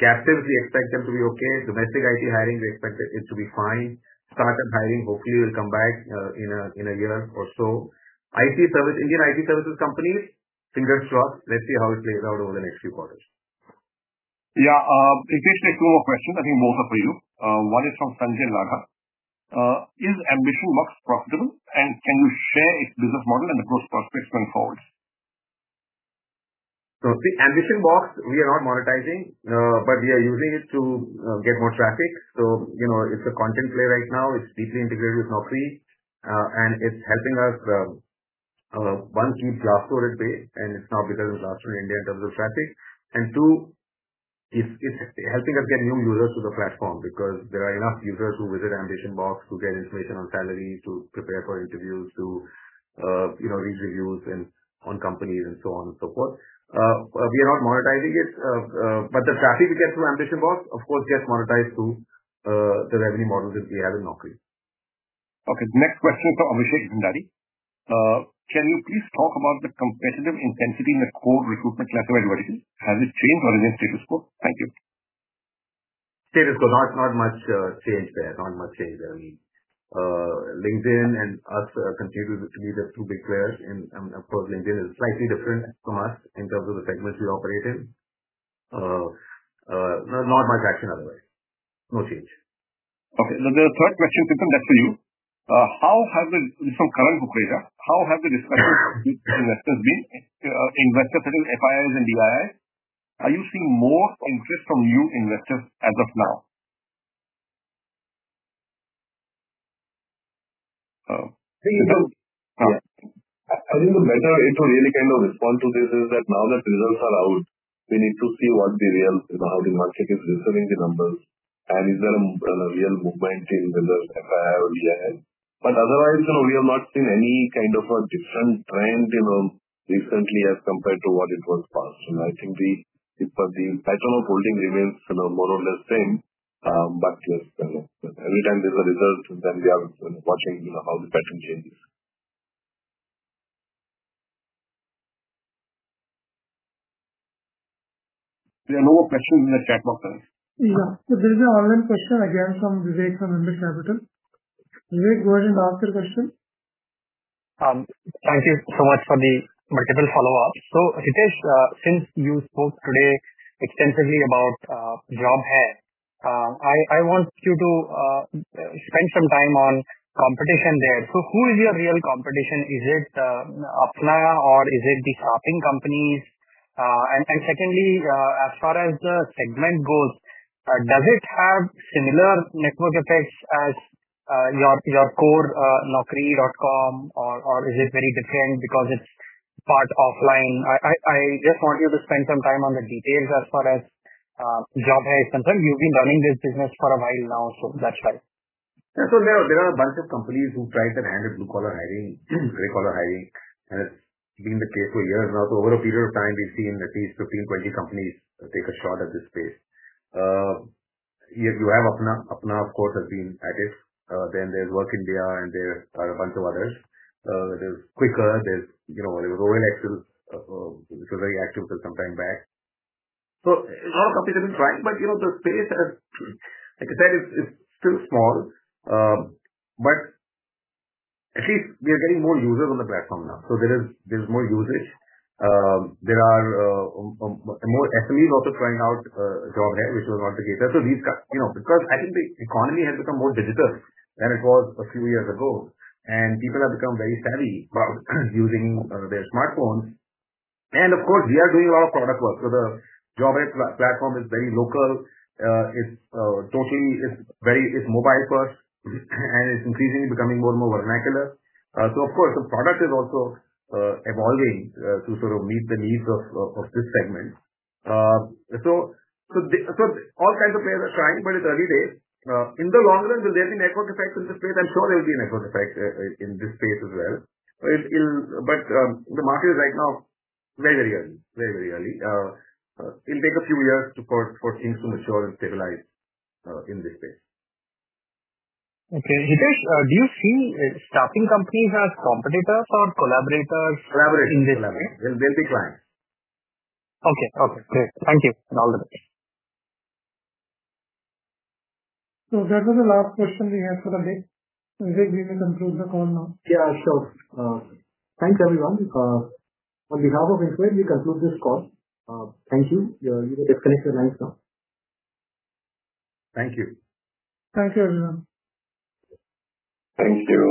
captives, we expect them to be okay. Domestic IT hiring, we expect it to be fine. Startup hiring, hopefully will come back, in a year or so. IT service, Indian IT services companies, fingers crossed. Let's see how it plays out over the next few quarters. Yeah, Hitesh, two more questions, I think both are for you. One is from Sanjay Lada. Is AmbitionBox profitable, and can you share its business model and the growth prospects going forward? The AmbitionBox, we are not monetizing, but we are using it to get more traffic. You know, it's a content play right now. It's deeply integrated with Naukri, and it's helping us, one, keep job storage base, and it's now because it's launched in India in terms of traffic. Two, it's, it's helping us get new users to the platform, because there are enough users who visit AmbitionBox to get information on salary, to prepare for interviews, to, you know, read reviews and on companies and so on and so forth. We are not monetizing it, but the traffic we get through AmbitionBox, of course, gets monetized through the revenue models that we have in Naukri. Okay. The next question is from Amish Itandari: Can you please talk about the competitive intensity in the core recruitment platform advertising? Has it changed or remains status quo? Thank you. Status quo. Not, not much change there. Not much change there. LinkedIn and us continue to be the two big players, and, of course, LinkedIn is slightly different from us in terms of the segments we operate in. Not much action otherwise. No change. Okay. The third question comes back to you. This is from Karan Mukherjee. How have the discussions with investors been, investors such as FIIs and DIIs? Are you seeing more interest from new investors as of now? I think the better way to really kind of respond to this is that now that results are out, we need to see what the real, you know, how the market is receiving the numbers, and is there a real movement in terms of FII or DII. Otherwise, you know, we have not seen any kind of a different trend, you know, recently, as compared to what it was past. I think the, it's the pattern of holding remains, you know, more or less same. Just, you know, every time there's a result, then we are watching, you know, how the pattern changes. There are no more questions in the chat box. Yeah. There is one other question again from Vivek, from Ambit Capital. Vivek, go ahead and ask your question. Thank you so much for the multiple follow-ups. Hitesh, since you spoke today extensively about Job Hai, I, I want you to spend some time on competition there. Who is your real competition? Is it Apna or is it the staffing companies? And, and secondly, as far as the segment goes, does it have similar network effects as your, your core Naukri, or, or is it very different because it's part offline? I, I, I just want you to spend some time on the details as far as Job Hai is concerned. You've been running this business for a while now, so that's why. Yeah. There are, there are a bunch of companies who try to handle blue-collar hiring, gray-collar hiring, and it's been the case for years now. Over a period of time, we've seen at least 15, 20 companies take a shot at this space. You have Apna. Apna, of course, has been at it. Then there's WorkIndia, and there are a bunch of others. There's Quikr, there's, you know, there was [Roar Axel], which was very active until some time back. A lot of companies have tried, but, you know, the space, as I said, it's, it's still small. But at least we are getting more users on the platform now, so there is, there is more usage. There are, more employees also trying out Job Hai, which was not the case. These kind, you know, because I think the economy has become more digital than it was a few years ago, and people have become very savvy about using their smartphones. Of course, we are doing a lot of product work. The Job Hai platform is very local. It's totally, it's very, it's mobile first, and it's increasingly becoming more and more vernacular. Of course, the product is also evolving to sort of meet the needs of this segment. All kinds of players are trying, but it's early days. In the long run, will there be network effects in the space? I'm sure there will be a network effect in this space as well. It'll... The market is right now, very, very early. Very, very early. It'll take a few years for things to mature and stabilize in this space. Okay, Hitesh, do you see staffing companies as competitors or collaborators? Collaborators. They'll be clients. Okay. Okay, great. Thank you, and all the best. That was the last question we had for the day. Hitesh, we will conclude the call now. Yeah, sure. Thanks, everyone. On behalf of Naukri, we conclude this call. Thank you. You, you may disconnect your lines now. Thank you. Thank you, everyone. Thank you.